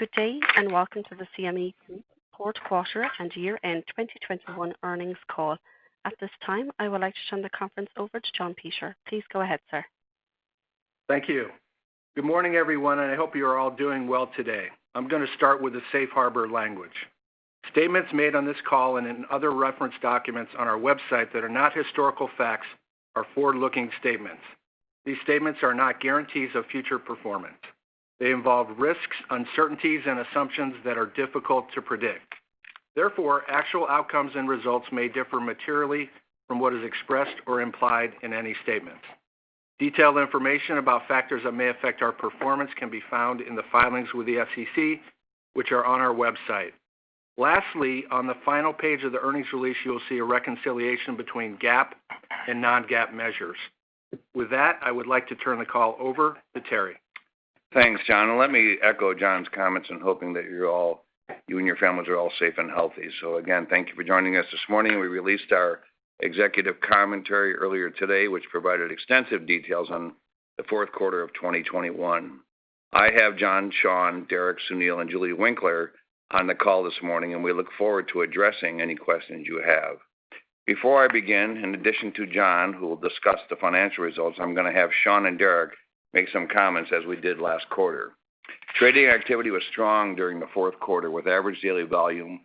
Good day, and welcome to the CME Group Fourth Quarter and Year End 2021 earnings call. At this time, I would like to turn the conference over to John Peschier. Please go ahead, sir. Thank you. Good morning, everyone, and I hope you're all doing well today. I'm gonna start with the Safe Harbor language. Statements made on this call and in other reference documents on our website that are not historical facts are forward-looking statements. These statements are not guarantees of future performance. They involve risks, uncertainties, and assumptions that are difficult to predict. Therefore, actual outcomes and results may differ materially from what is expressed or implied in any statement. Detailed information about factors that may affect our performance can be found in the filings with the SEC, which are on our website. Lastly, on the final page of the earnings release, you'll see a reconciliation between GAAP and non-GAAP measures. With that, I would like to turn the call over to Terry. Thanks, John. Let me echo John's comments in hoping that you're all, you and your families are all safe and healthy. Again, thank you for joining us this morning. We released our executive commentary earlier today, which provided extensive details on the fourth quarter of 2021. I have John, Sean, Derek, Sunil, and Julie Winkler on the call this morning, and we look forward to addressing any questions you have. Before I begin, in addition to John, who will discuss the financial results, I'm gonna have Sean and Derek make some comments as we did last quarter. Trading activity was strong during the fourth quarter, with average daily volume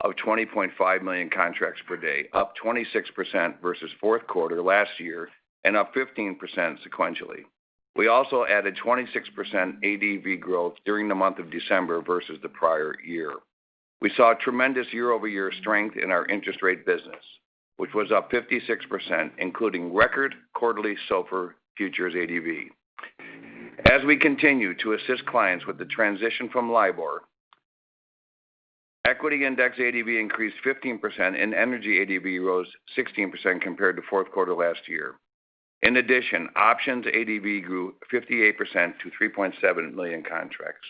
of 20.5 million contracts per day, up 26% versus fourth quarter last year and up 15% sequentially. We also added 26% ADV growth during the month of December versus the prior year. We saw tremendous year-over-year strength in our interest rate business, which was up 56%, including record quarterly SOFR futures ADV. As we continue to assist clients with the transition from LIBOR, equity index ADV increased 15%, and energy ADV rose 16% compared to fourth quarter last year. In addition, options ADV grew 58% to 3.7 million contracts.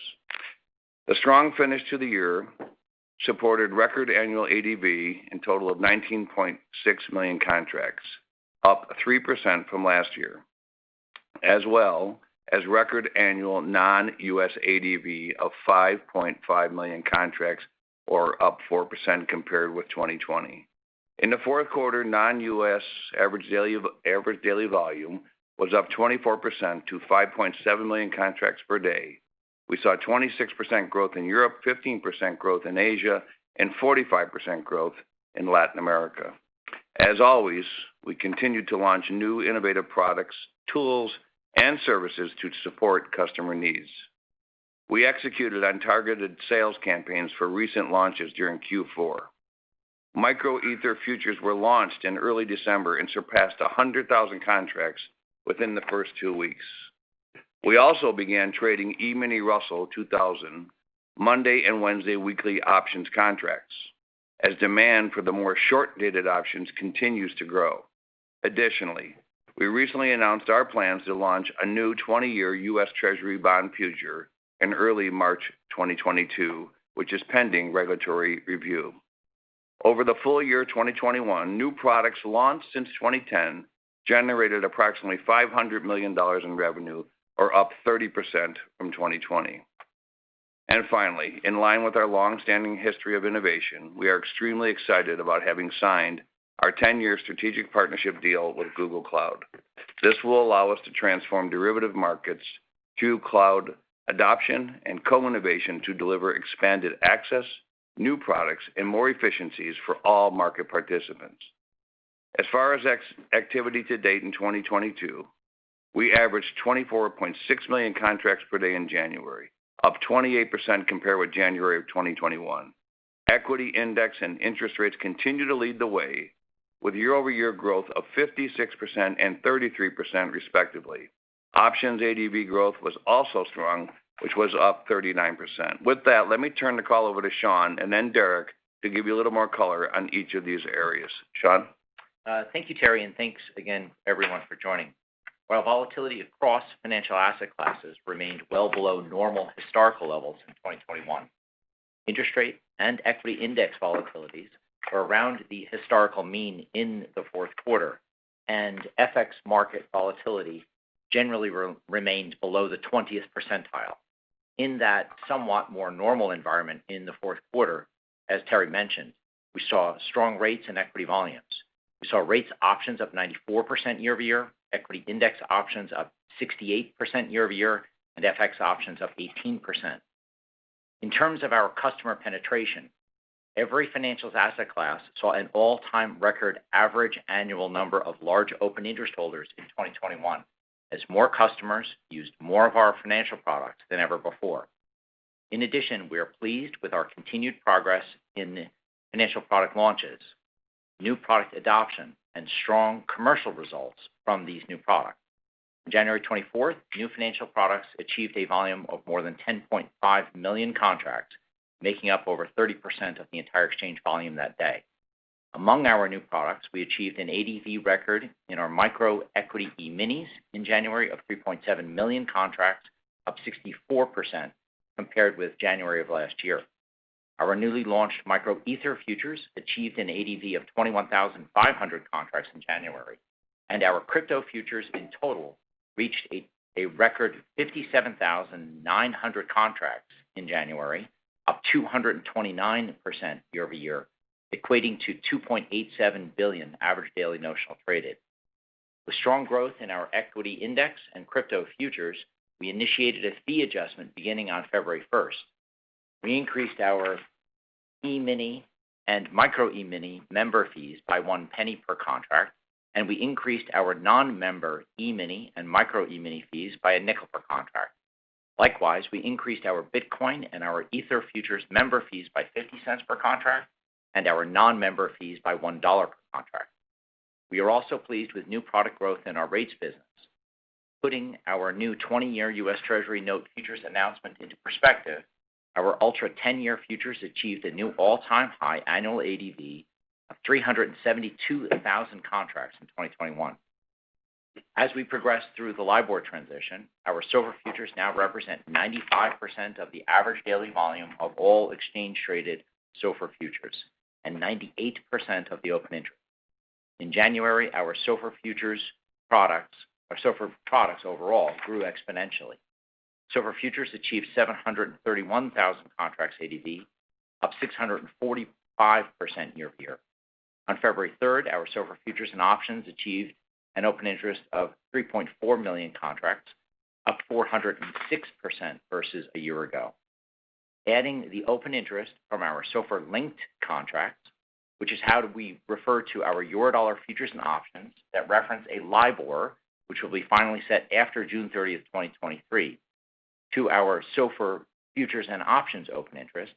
The strong finish to the year supported record annual ADV in total of 19.6 million contracts, up 3% from last year, as well as record annual non-US ADV of 5.5 million contracts or up 4% compared with 2020. In the fourth quarter, non-US average daily volume was up 24% to 5.7 million contracts per day. We saw 26% growth in Europe, 15% growth in Asia, and 45% growth in Latin America. As always, we continued to launch new innovative products, tools, and services to support customer needs. We executed on targeted sales campaigns for recent launches during Q4. Micro Ether futures were launched in early December and surpassed 100,000 contracts within the first two weeks. We also began trading E-mini Russell 2000 Monday and Wednesday weekly options contracts as demand for the more short-dated options continues to grow. Additionally, we recently announced our plans to launch a new 20-year U.S. Treasury bond future in early March 2022, which is pending regulatory review. Over the full year 2021, new products launched since 2010 generated approximately $500 million in revenue or up 30% from 2020. Finally, in line with our long-standing history of innovation, we are extremely excited about having signed our 10-year strategic partnership deal with Google Cloud. This will allow us to transform derivative markets to cloud adoption and co-innovation to deliver expanded access, new products, and more efficiencies for all market participants. As far as exchange activity to date in 2022, we averaged 24.6 million contracts per day in January, up 28% compared with January of 2021. Equity index and interest rates continue to lead the way with year-over-year growth of 56% and 33% respectively. Options ADV growth was also strong, which was up 39%. With that, let me turn the call over to Sean and then Derek to give you a little more color on each of these areas. Sean. Thank you, Terry, and thanks again everyone for joining. While volatility across financial asset classes remained well below normal historical levels in 2021, interest rate and equity index volatilities are around the historical mean in the fourth quarter, and FX market volatility generally remained below the 20th percentile. In that somewhat more normal environment in the fourth quarter, as Terry mentioned, we saw strong rates in equity volumes. We saw rates options up 94% year-over-year, equity index options up 68% year-over-year, and FX options up 18%. In terms of our customer penetration, every financial asset class saw an all-time record average annual number of large open interest holders in 2021 as more customers used more of our financial products than ever before. In addition, we are pleased with our continued progress in financial product launches, new product adoption, and strong commercial results from these new products. On January 24, new financial products achieved a volume of more than 10.5 million contracts, making up over 30% of the entire exchange volume that day. Among our new products, we achieved an ADV record in our Micro E-mini equity futures in January of 3.7 million contracts, up 64% compared with January of last year. Our newly launched Micro Ether futures achieved an ADV of 21,500 contracts in January, and our crypto futures in total reached a record 57,900 contracts in January, up 229% year-over-year, equating to $2.87 billion average daily notional traded. With strong growth in our equity index and crypto futures, we initiated a fee adjustment beginning on February first. We increased our E-mini and Micro E-mini member fees by $0.01 per contract, and we increased our non-member E-mini and Micro E-mini fees by $0.05 per contract. Likewise, we increased our Bitcoin and our Ether futures member fees by $0.50 per contract and our non-member fees by $1 per contract. We are also pleased with new product growth in our rates business. Putting our new 20-Year U.S. Treasury Bond futures announcement into perspective, our Ultra 10-Year Treasury futures achieved a new all-time high annual ADV of 372,000 contracts in 2021. As we progress through the LIBOR transition, our silver futures now represent 95% of the average daily volume of all exchange-traded silver futures and 98% of the open interest. In January, our SOFR futures products or SOFR products overall grew exponentially. SOFR futures achieved 731,000 contracts ADV, up 645% year-over-year. On February 3, our SOFR futures and options achieved an open interest of 3.4 million contracts, up 406% versus a year ago. Adding the open interest from our SOFR-linked contracts, which is how we refer to our Eurodollar futures and options that reference a LIBOR, which will be finally set after June 30, 2023, to our SOFR futures and options open interest,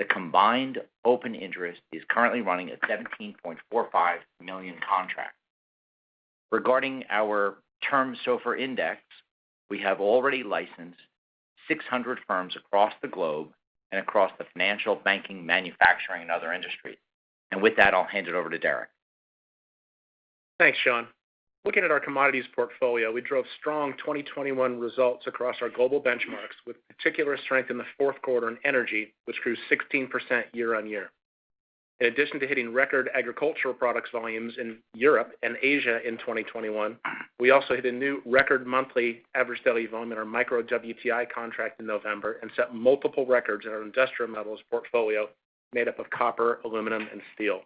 the combined open interest is currently running at 17.45 million contracts. Regarding our Term SOFR index, we have already licensed 600 firms across the globe and across the financial, banking, manufacturing, and other industries. With that, I'll hand it over to Derek. Thanks, Sean. Looking at our commodities portfolio, we drove strong 2021 results across our global benchmarks with particular strength in the fourth quarter in energy, which grew 16% year-over-year. In addition to hitting record agricultural products volumes in Europe and Asia in 2021, we also hit a new record monthly average daily volume in our Micro WTI contract in November and set multiple records in our industrial metals portfolio made up of copper, aluminum, and steel.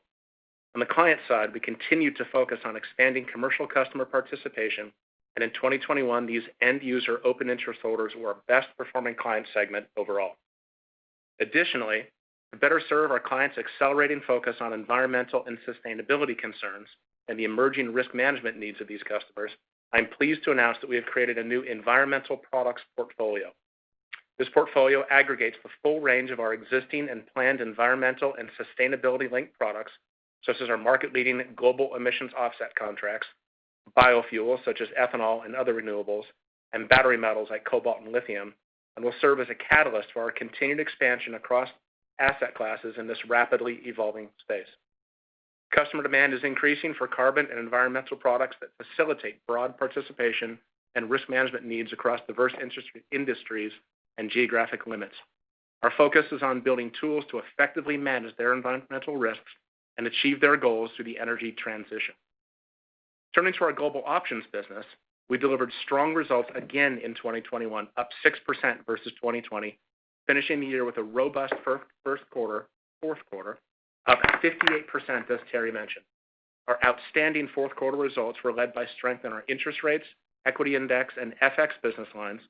On the client side, we continued to focus on expanding commercial customer participation, and in 2021, these end user open interest holders were our best performing client segment overall. Additionally, to better serve our clients accelerating focus on environmental and sustainability concerns and the emerging risk management needs of these customers, I'm pleased to announce that we have created a new environmental products portfolio. This portfolio aggregates the full range of our existing and planned environmental and sustainability-linked products, such as our market-leading global emissions offset contracts, biofuels such as ethanol and other renewables, and battery metals like cobalt and lithium, and will serve as a catalyst for our continued expansion across asset classes in this rapidly evolving space. Customer demand is increasing for carbon and environmental products that facilitate broad participation and risk management needs across diverse industries and geographic limits. Our focus is on building tools to effectively manage their environmental risks and achieve their goals through the energy transition. Turning to our global options business, we delivered strong results again in 2021, up 6% versus 2020, finishing the year with a robust fourth quarter, up 58%, as Terry mentioned. Our outstanding fourth quarter results were led by strength in our interest rates, equity index, and FX business lines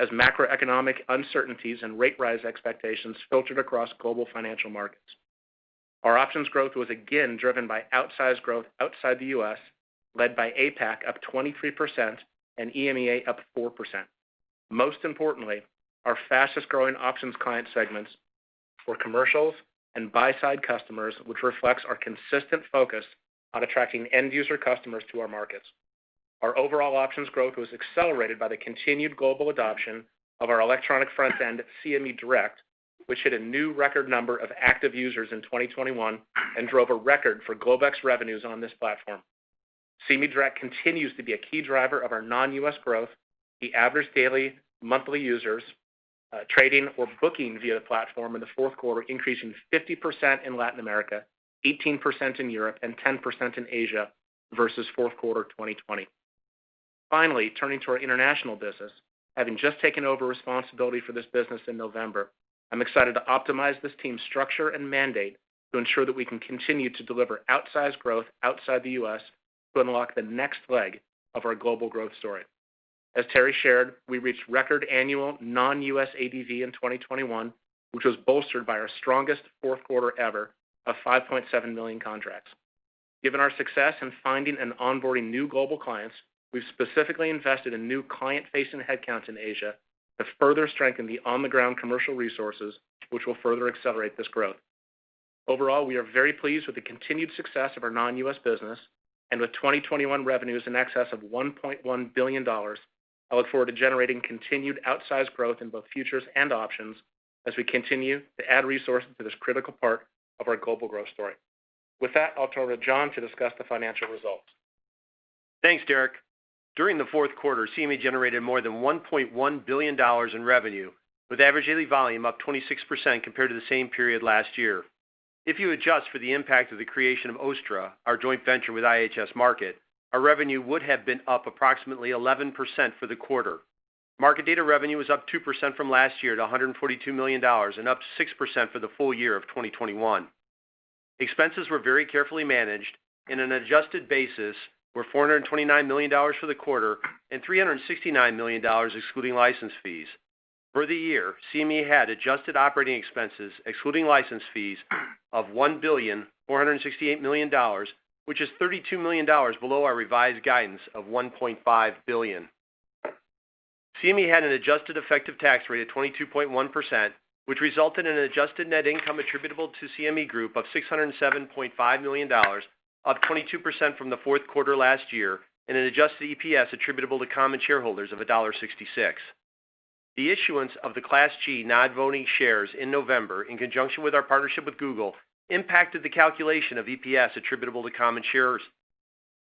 as macroeconomic uncertainties and rate rise expectations filtered across global financial markets. Our options growth was again driven by outsized growth outside the U.S., led by APAC up 23% and EMEA up 4%. Most importantly, our fastest-growing options client segments were commercials and buy-side customers, which reflects our consistent focus on attracting end-user customers to our markets. Our overall options growth was accelerated by the continued global adoption of our electronic front-end CME Direct, which hit a new record number of active users in 2021 and drove a record for Globex revenues on this platform. CME Direct continues to be a key driver of our non-U.S. growth, the average daily monthly users trading or booking via the platform in the fourth quarter, increasing 50% in Latin America, 18% in Europe, and 10% in Asia versus fourth quarter 2020. Finally, turning to our international business, having just taken over responsibility for this business in November, I'm excited to optimize this team's structure and mandate to ensure that we can continue to deliver outsized growth outside the U.S. to unlock the next leg of our global growth story. As Terry shared, we reached record annual non-U.S. ADV in 2021, which was bolstered by our strongest fourth quarter ever of 5.7 million contracts. Given our success in finding and onboarding new global clients, we've specifically invested in new client-facing headcount in Asia to further strengthen the on-the-ground commercial resources, which will further accelerate this growth. Overall, we are very pleased with the continued success of our non-U.S. business and with 2021 revenues in excess of $1.1 billion. I look forward to generating continued outsized growth in both futures and options as we continue to add resources to this critical part of our global growth story. With that, I'll turn it over to John to discuss the financial results. Thanks, Derek. During the fourth quarter, CME generated more than $1.1 billion in revenue, with average daily volume up 26% compared to the same period last year. If you adjust for the impact of the creation of OSTTRA, our joint venture with IHS Markit, our revenue would have been up approximately 11% for the quarter. Market data revenue was up 2% from last year to $142 million and up 6% for the full year of 2021. Expenses were very carefully managed, on an adjusted basis were $429 million for the quarter and $369 million excluding license fees. For the year, CME had adjusted operating expenses excluding license fees of $1.468 billion, which is $32 million below our revised guidance of $1.5 billion. CME Group had an adjusted effective tax rate of 22.1%, which resulted in an adjusted net income attributable to CME Group of $607.5 million, up 22% from the fourth quarter last year, and an adjusted EPS attributable to common shareholders of $1.66. The issuance of the Class G non-voting shares in November, in conjunction with our partnership with Google, impacted the calculation of EPS attributable to common shares.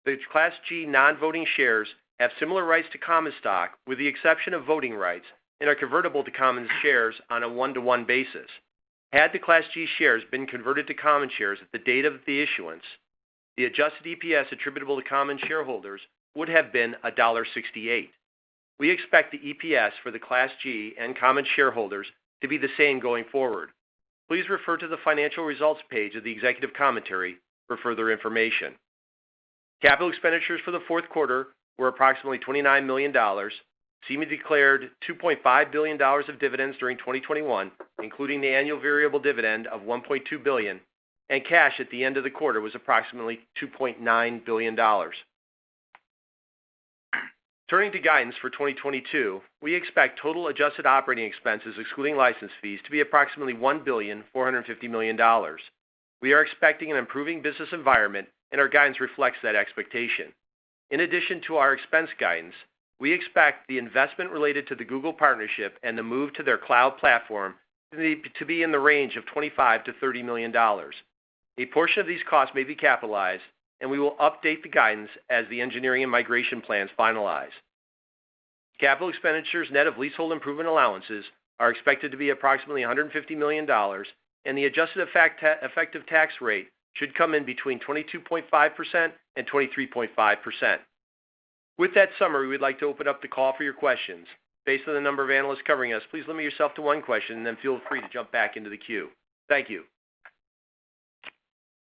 The Class G non-voting shares have similar rights to common stock, with the exception of voting rights, and are convertible to common shares on a one-to-one basis. Had the Class G shares been converted to common shares at the date of the issuance, the adjusted EPS attributable to common shareholders would have been $1.68. We expect the EPS for the Class G and common shareholders to be the same going forward. Please refer to the financial results page of the executive commentary for further information. Capital expenditures for the fourth quarter were approximately $29 million. CME declared $2.5 billion of dividends during 2021, including the annual variable dividend of $1.2 billion, and cash at the end of the quarter was approximately $2.9 billion. Turning to guidance for 2022, we expect total adjusted operating expenses excluding license fees to be approximately $1.45 billion. We are expecting an improving business environment, and our guidance reflects that expectation. In addition to our expense guidance, we expect the investment related to the Google partnership and the move to their cloud platform to be in the range of $25 million-$30 million. A portion of these costs may be capitalized, and we will update the guidance as the engineering and migration plans finalize. Capital expenditures net of leasehold improvement allowances are expected to be approximately $150 million, and the adjusted effective tax rate should come in between 22.5% and 23.5%. With that summary, we'd like to open up the call for your questions. Based on the number of analysts covering us, please limit yourself to one question, and then feel free to jump back into the queue. Thank you.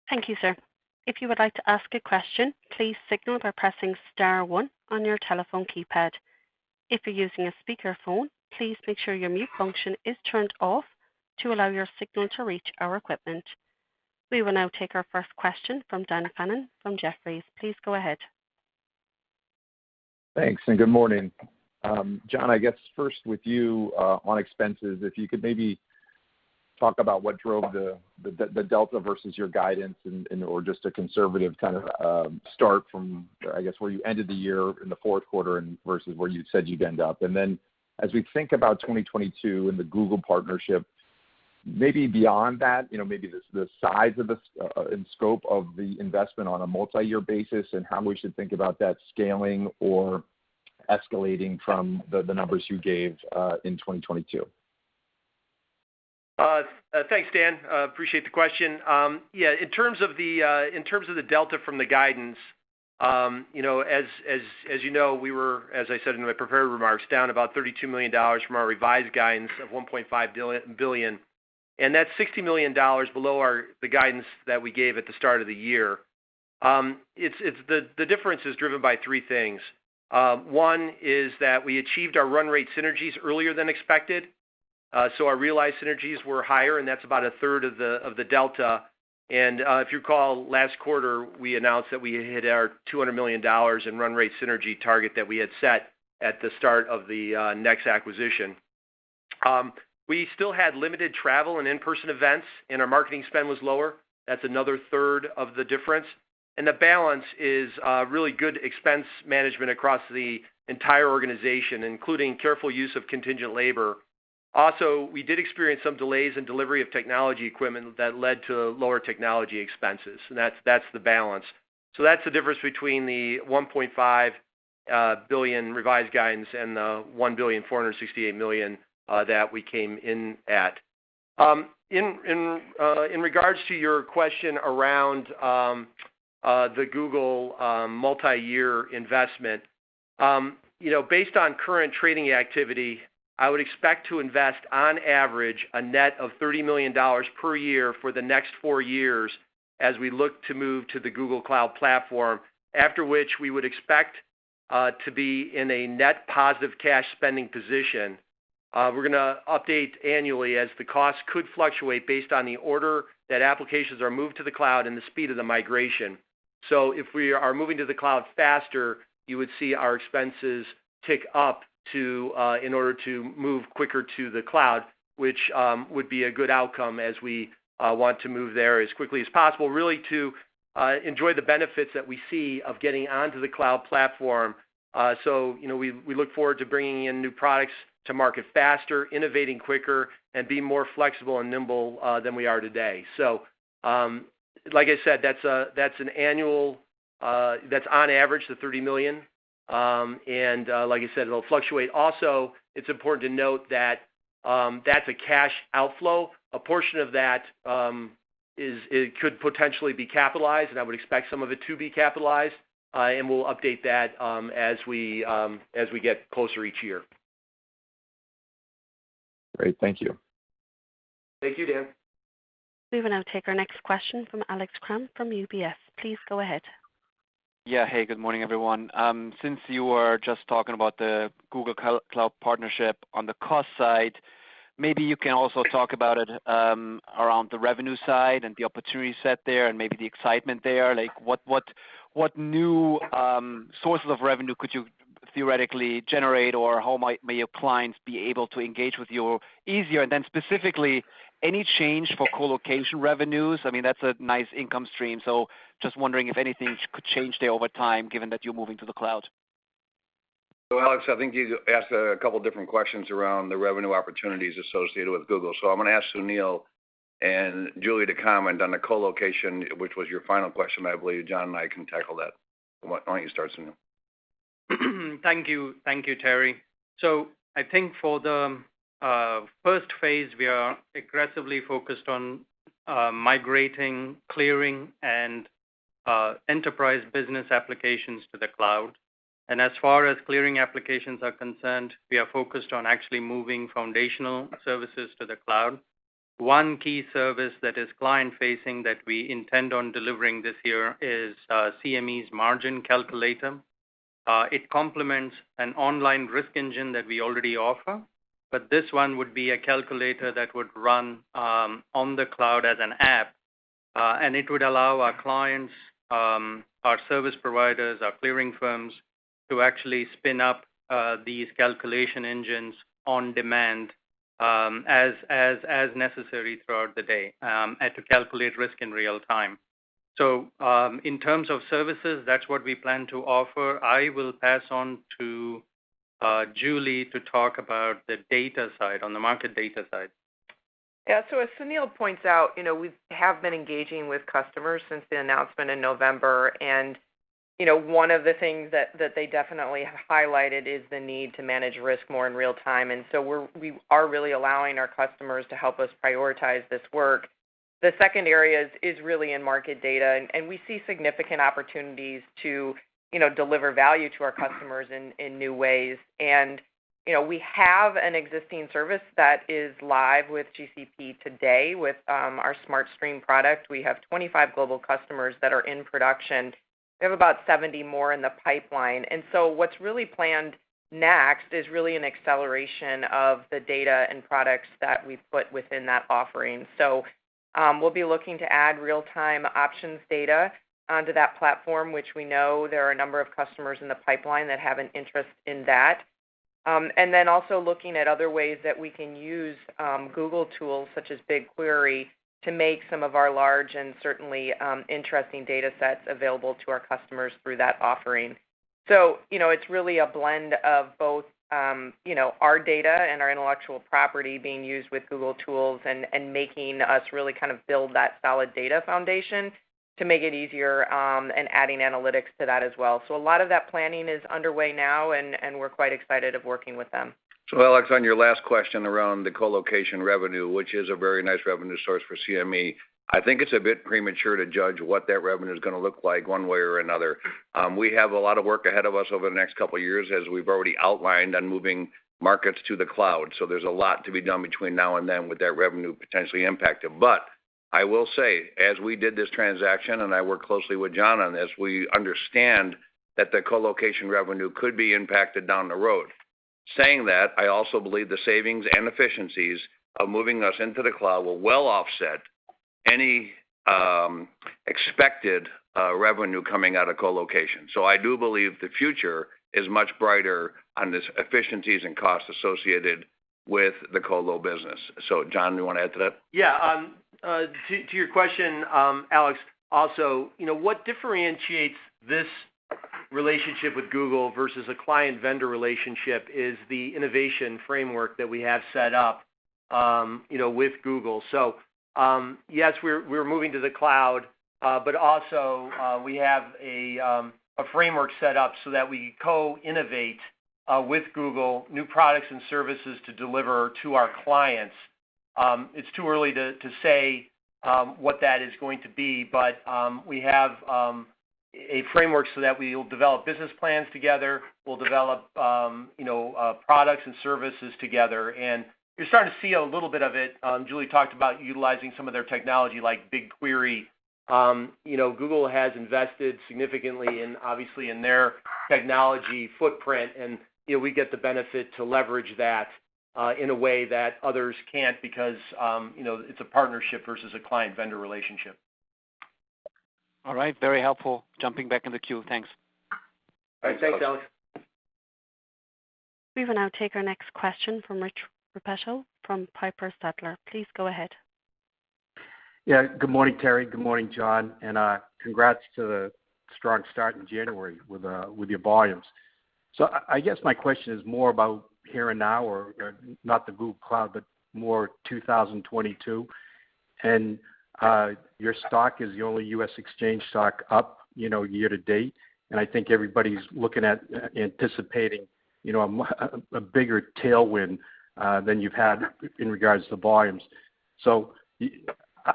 Thank you, sir. If you would like to ask a question, please signal by pressing star one on your telephone keypad. If you're using a speakerphone, please make sure your mute function is turned off to allow your signal to reach our equipment. We will now take our first question from Dan Fannon from Jefferies. Please go ahead. Thanks, and good morning. John, I guess first with you, on expenses, if you could maybe talk about what drove the delta versus your guidance and or just a conservative kind of start from, I guess, where you ended the year in the fourth quarter and versus where you said you'd end up. Then as we think about 2022 and the Google partnership, maybe beyond that, you know, maybe the size and scope of the investment on a multi-year basis and how we should think about that scaling or escalating from the numbers you gave in 2022. Thanks, Dan. Appreciate the question. Yeah, in terms of the delta from the guidance, you know, as you know, we were, as I said in my prepared remarks, down about $32 million from our revised guidance of $1.5 billion, and that's $60 million below the guidance that we gave at the start of the year. The difference is driven by three things. One is that we achieved our run rate synergies earlier than expected, so our realized synergies were higher, and that's about a third of the delta. If you recall, last quarter, we announced that we hit our $200 million in run rate synergy target that we had set at the start of the NEX acquisition. We still had limited travel and in-person events, and our marketing spend was lower. That's another third of the difference. The balance is really good expense management across the entire organization, including careful use of contingent labor. Also, we did experience some delays in delivery of technology equipment that led to lower technology expenses. That's the balance. That's the difference between the $1.5 billion revised guidance and the $1.468 billion that we came in at. In regards to your question around the Google multi-year investment, you know, based on current trading activity, I would expect to invest on average a net of $30 million per year for the next 4 years as we look to move to the Google Cloud Platform, after which we would expect to be in a net positive cash spending position. We're gonna update annually as the costs could fluctuate based on the order that applications are moved to the cloud and the speed of the migration. If we are moving to the cloud faster, you would see our expenses tick up to, in order to move quicker to the cloud, which would be a good outcome as we want to move there as quickly as possible, really to enjoy the benefits that we see of getting onto the cloud platform. You know, we look forward to bringing in new products to market faster, innovating quicker, and being more flexible and nimble than we are today. Like I said, that's an annual. That's on average $30 million. And like I said, it'll fluctuate. Also, it's important to note that that's a cash outflow. A portion of that could potentially be capitalized, and I would expect some of it to be capitalized. We'll update that, as we get closer each year. Great. Thank you. Thank you, Dan. We will now take our next question from Alex Kramm from UBS. Please go ahead. Hey, good morning, everyone. Since you are just talking about the Google Cloud partnership on the cost side, maybe you can also talk about it around the revenue side and the opportunity set there and maybe the excitement there. Like, what new sources of revenue could you theoretically generate or how may your clients be able to engage with you easier? Then specifically, any change for colocation revenues? I mean, that's a nice income stream, so just wondering if anything could change there over time given that you're moving to the cloud. Alex, I think you asked a couple different questions around the revenue opportunities associated with Google. I'm gonna ask Sunil and Julie to comment on the colocation, which was your final question, I believe. John and I can tackle that. Why don't you start, Sunil? Thank you. Thank you, Terry. I think for the first phase, we are aggressively focused on migrating clearing and enterprise business applications to the cloud. As far as clearing applications are concerned, we are focused on actually moving foundational services to the cloud. One key service that is client-facing that we intend on delivering this year is CME's margin calculator. It complements an online risk engine that we already offer, but this one would be a calculator that would run on the cloud as an app. It would allow our clients, our service providers, our clearing firms to actually spin up these calculation engines on demand, as necessary throughout the day, and to calculate risk in real time. In terms of services, that's what we plan to offer. I will pass on to Julie to talk about the data side, on the market data side. Yeah. As Sunil points out, you know, we have been engaging with customers since the announcement in November. You know, one of the things that they definitely have highlighted is the need to manage risk more in real time. We are really allowing our customers to help us prioritize this work. The second area is really in market data, and we see significant opportunities to, you know, deliver value to our customers in new ways. You know, we have an existing service that is live with GCP today with our Smart Stream product. We have 25 global customers that are in production. We have about 70 more in the pipeline. What's really planned next is really an acceleration of the data and products that we put within that offering. We'll be looking to add real-time options data onto that platform, which we know there are a number of customers in the pipeline that have an interest in that. Also looking at other ways that we can use Google tools such as BigQuery to make some of our large and certainly interesting data sets available to our customers through that offering. You know, it's really a blend of both, you know, our data and our intellectual property being used with Google tools and making us really kind of build that solid data foundation to make it easier and adding analytics to that as well. A lot of that planning is underway now and we're quite excited of working with them. Alex, on your last question around the colocation revenue, which is a very nice revenue source for CME, I think it's a bit premature to judge what that revenue is gonna look like one way or another. We have a lot of work ahead of us over the next couple of years, as we've already outlined, on moving markets to the cloud. There's a lot to be done between now and then with that revenue potentially impacted. I will say, as we did this transaction, and I worked closely with John on this, we understand that the colocation revenue could be impacted down the road. Saying that, I also believe the savings and efficiencies of moving us into the cloud will well offset any expected revenue coming out of colocation. I do believe the future is much brighter on this efficiencies and costs associated with the colo business. John, you wanna add to that? Yeah. To your question, Alex, also, you know, what differentiates this relationship with Google versus a client-vendor relationship is the innovation framework that we have set up, you know, with Google. Yes, we're moving to the cloud, but also, we have a framework set up so that we co-innovate with Google, new products and services to deliver to our clients. It's too early to say what that is going to be, but we have a framework so that we will develop business plans together. We'll develop, you know, products and services together. You're starting to see a little bit of it. Julie talked about utilizing some of their technology, like BigQuery. You know, Google has invested significantly in, obviously in their technology footprint, and, you know, we get the benefit to leverage that, in a way that others can't because, you know, it's a partnership versus a client-vendor relationship. All right. Very helpful. Jumping back in the queue. Thanks. Thanks, Alex. Thanks, Alex. We will now take our next question from Rich Repetto from Piper Sandler. Please go ahead. Yeah. Good morning, Terry. Good morning, John. Congrats to the strong start in January with your volumes. I guess my question is more about here and now or not the Google Cloud, but more 2022. Your stock is the only U.S. exchange stock up, you know, year to date. I think everybody's looking at anticipating, you know, a bigger tailwind than you've had in regards to the volumes.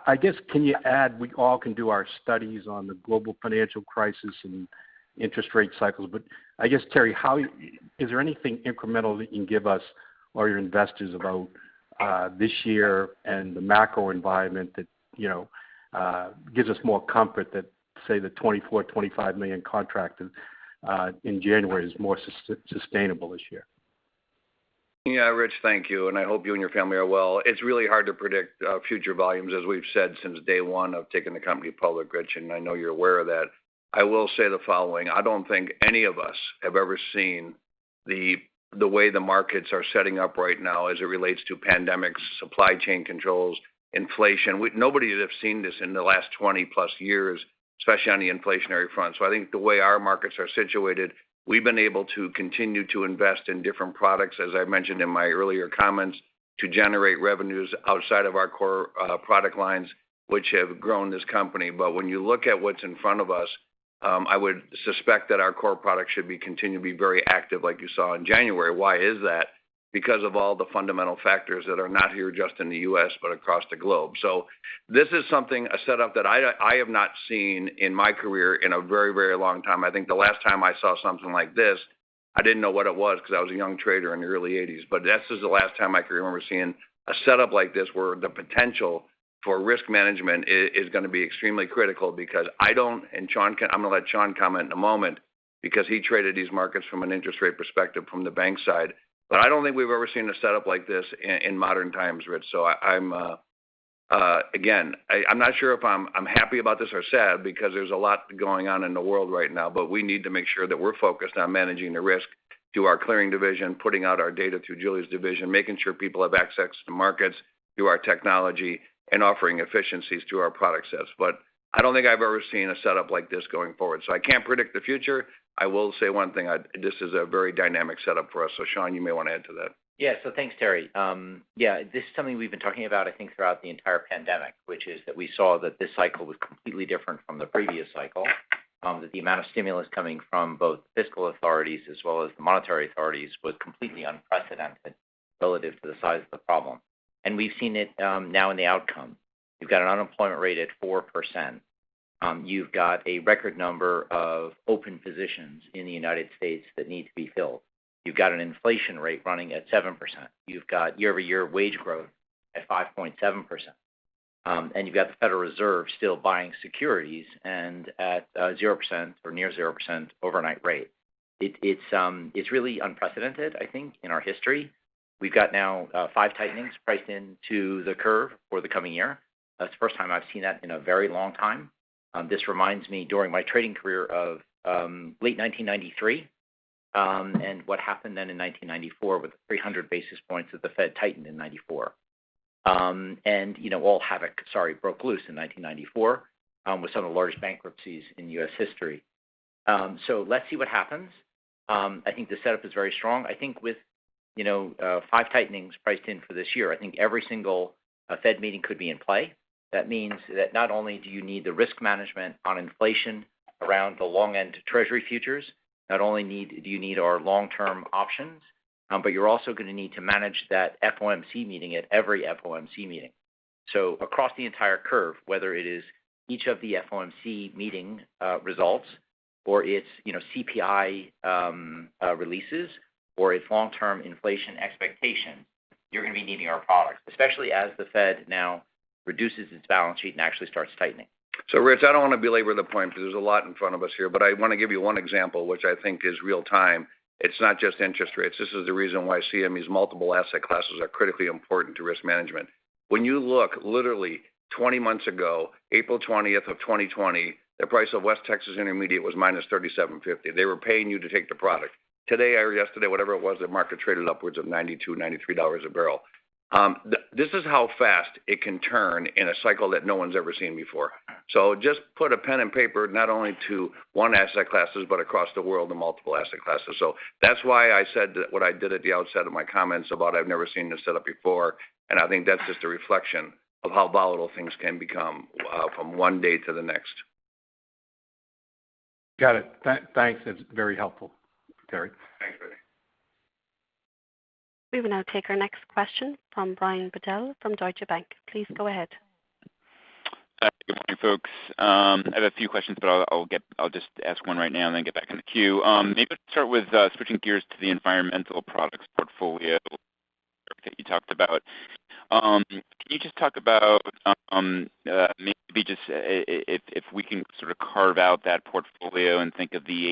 I guess, can you add, we all can do our studies on the global financial crisis and interest rate cycles, but I guess, Terry, is there anything incremental that you can give us or your investors about this year and the macro environment that gives us more comfort that, say, the 24-25 million contract in January is more sustainable this year? Yeah, Rich, thank you, and I hope you and your family are well. It's really hard to predict future volumes, as we've said since day one of taking the company public, Rich, and I know you're aware of that. I will say the following: I don't think any of us have ever seen the way the markets are setting up right now as it relates to pandemics, supply chain controls, inflation. Nobody has seen this in the last 20-plus years, especially on the inflationary front. I think the way our markets are situated, we've been able to continue to invest in different products, as I mentioned in my earlier comments, to generate revenues outside of our core product lines, which have grown this company. when you look at what's in front of us, I would suspect that our core products should continue to be very active like you saw in January. Why is that? Because of all the fundamental factors that are not just here in the U.S., but across the globe. This is something, a setup that I have not seen in my career in a very, very long time. I think the last time I saw something like this, I didn't know what it was because I was a young trader in the early eighties. This is the last time I can remember seeing a setup like this where the potential for risk management is gonna be extremely critical because I don't. I'm gonna let Sean comment in a moment because he traded these markets from an interest rate perspective from the bank side. I don't think we've ever seen a setup like this in modern times, Rich. Again, I'm not sure if I'm happy about this or sad because there's a lot going on in the world right now. We need to make sure that we're focused on managing the risk through our clearing division, putting out our data through Julie's division, making sure people have access to markets through our technology and offering efficiencies through our product sets. I don't think I've ever seen a setup like this going forward. I can't predict the future. I will say one thing. This is a very dynamic setup for us. Sean, you may want to add to that. Thanks, Terry. This is something we've been talking about, I think, throughout the entire pandemic, which is that we saw that this cycle was completely different from the previous cycle, that the amount of stimulus coming from both fiscal authorities as well as the monetary authorities was completely unprecedented relative to the size of the problem. We've seen it now in the outcome. You've got an unemployment rate at 4%. You've got a record number of open positions in the U.S. that need to be filled. You've got an inflation rate running at 7%. You've got year-over-year wage growth at 5.7%. And you've got the Federal Reserve still buying securities and at a 0% or near 0% overnight rate. It's really unprecedented, I think, in our history. We've got now 5 tightenings priced into the curve for the coming year. That's the first time I've seen that in a very long time. This reminds me during my trading career of late 1993 and what happened then in 1994 with the 300 basis points that the Fed tightened in 1994. You know, all havoc, sorry, broke loose in 1994 with some of the largest bankruptcies in U.S. history. Let's see what happens. I think the setup is very strong. I think with you know 5 tightenings priced in for this year, I think every single Fed meeting could be in play. That means that not only do you need the risk management on inflation around the long end Treasury futures, but you also need our long-term options, but you're also gonna need to manage that FOMC meeting at every FOMC meeting. Across the entire curve, whether it is each of the FOMC meeting results or its, you know, CPI releases or its long-term inflation expectations, you're gonna be needing our products, especially as the Fed now reduces its balance sheet and actually starts tightening. Rich, I don't want to belabor the point because there's a lot in front of us here, but I want to give you one example, which I think is real-time. It's not just interest rates. This is the reason why CME's multiple asset classes are critically important to risk management. When you look literally 20 months ago, April 20, 2020, the price of West Texas Intermediate was -$37.50. They were paying you to take the product. Today or yesterday, whatever it was, the market traded upwards of $92-$93 a barrel. This is how fast it can turn in a cycle that no one's ever seen before. Just put pen to paper not only to one asset classes, but across the world and multiple asset classes. That's why I said what I did at the outset of my comments about I've never seen this setup before, and I think that's just a reflection of how volatile things can become from one day to the next. Got it. Thanks. That's very helpful, Terry. Thanks, Rich. We will now take our next question from Brian Bedell from Deutsche Bank. Please go ahead. Good morning, folks. I have a few questions, but I'll just ask one right now and then get back in the queue. Maybe let's start with switching gears to the environmental products portfolio that you talked about. Can you just talk about if we can sort of carve out that portfolio and think of the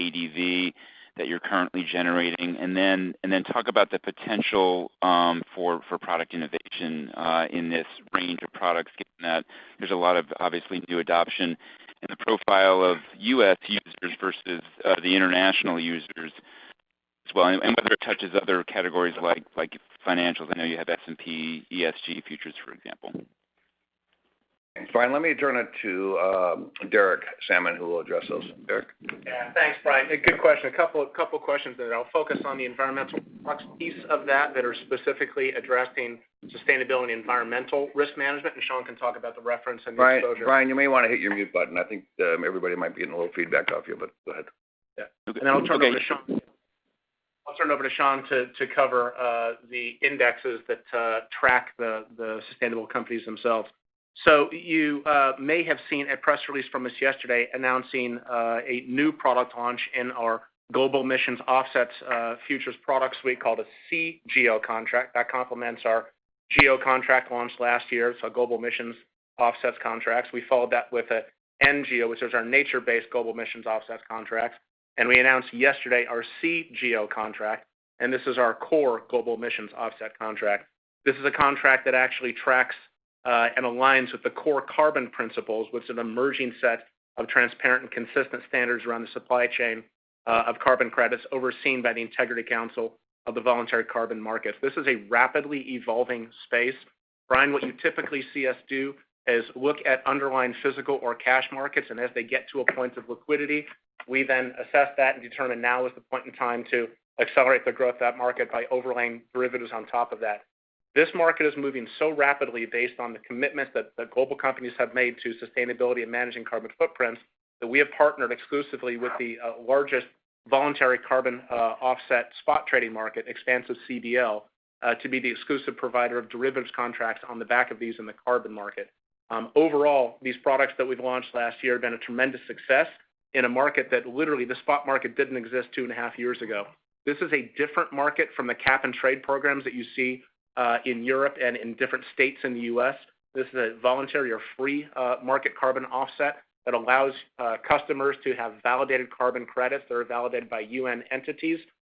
ADV that you're currently generating, and then talk about the potential for product innovation in this range of products, given that there's a lot of obviously new adoption in the profile of U.S. users versus the international users as well, and whether it touches other categories like financials. I know you have S&P ESG futures, for example. Thanks, Brian. Let me turn it to Derek Sammann, who will address those. Derek? Yeah. Thanks, Brian. A good question. A couple questions there. I'll focus on the environmental products piece of that are specifically addressing sustainability and environmental risk management, and Sean can talk about the reference and the exposure. Brian, you may wanna hit your mute button. I think, everybody might be getting a little feedback off you, but go ahead. I'll turn it over to Sean to cover the indexes that track the sustainable companies themselves. You may have seen a press release from us yesterday announcing a new product launch in our Global Emissions Offset futures products suite called a C-GEO contract. That complements our GEO contract launched last year, Global Emissions Offsets Contracts. We followed that with a N-GEO, which is our Nature-based Global Emissions Offsets Contracts. We announced yesterday our C-GEO contract, and this is our Core Global Emissions Offset Contract. This is a contract that actually tracks and aligns with the Core Carbon Principles, which is an emerging set of transparent and consistent standards around the supply chain of carbon credits overseen by the Integrity Council for the Voluntary Carbon Market. This is a rapidly evolving space. Brian, what you typically see us do is look at underlying physical or cash markets, and as they get to a point of liquidity, we then assess that and determine now is the point in time to accelerate the growth of that market by overlaying derivatives on top of that. This market is moving so rapidly based on the commitments that the global companies have made to sustainability and managing carbon footprints that we have partnered exclusively with the largest voluntary carbon offset spot trading market, Xpansiv CBL, to be the exclusive provider of derivatives contracts on the back of these in the carbon market. Overall, these products that we've launched last year have been a tremendous success in a market that literally the spot market didn't exist two and a half years ago. This is a different market from the cap and trade programs that you see in Europe and in different states in the U.S. This is a voluntary or free market carbon offset that allows customers to have validated carbon credits that are validated by UN entities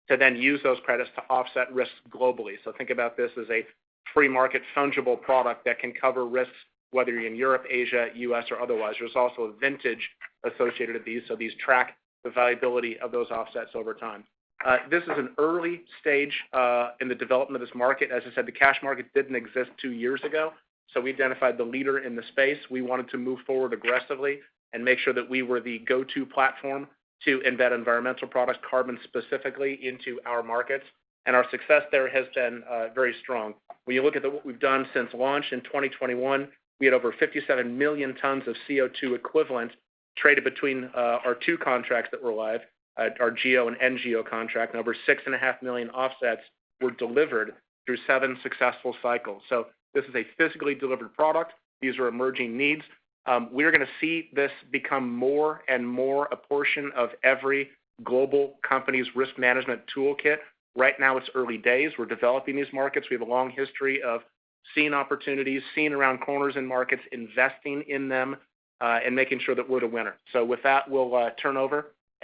to then use those credits to offset risks globally. Think about this as a free market fungible product that can cover risks whether you're in Europe, Asia, U.S., or otherwise. There's also a vintage associated with these, so these track the viability of those offsets over time. This is an early stage in the development of this market. As I said, the cash market didn't exist two years ago, so we identified the leader in the space. We wanted to move forward aggressively and make sure that we were the go-to platform to embed environmental products, carbon specifically, into our markets. Our success there has been very strong. When you look at what we've done since launch in 2021, we had over 57 million tons of CO2 equivalent traded between our two contracts that were live, our GEO and N-GEO contract, and over 6.5 million offsets were delivered through 7 successful cycles. This is a physically delivered product. These are emerging needs. We're gonna see this become more and more a portion of every global company's risk management toolkit. Right now it's early days. We're developing these markets. We have a long history of seeing opportunities, seeing around corners in markets, investing in them, and making sure that we're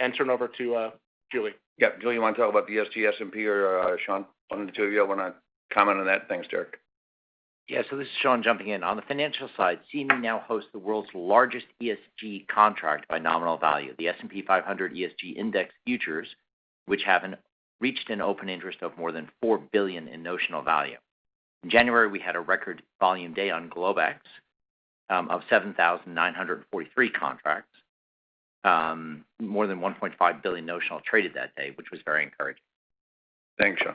the winner. With that, we'll turn over to Julie. Yeah. Julie, you wanna talk about the ESG S&P or, Sean, one of the two of you wanna comment on that? Thanks, Derek. Yeah. This is Sean jumping in. On the financial side, CME now hosts the world's largest ESG contract by nominal value, the E-mini S&P 500 ESG Index futures, which have reached an open interest of more than $4 billion in notional value. In January, we had a record volume day on Globex of 7,943 contracts. More than $1.5 billion notional traded that day, which was very encouraging. Thanks, Sean.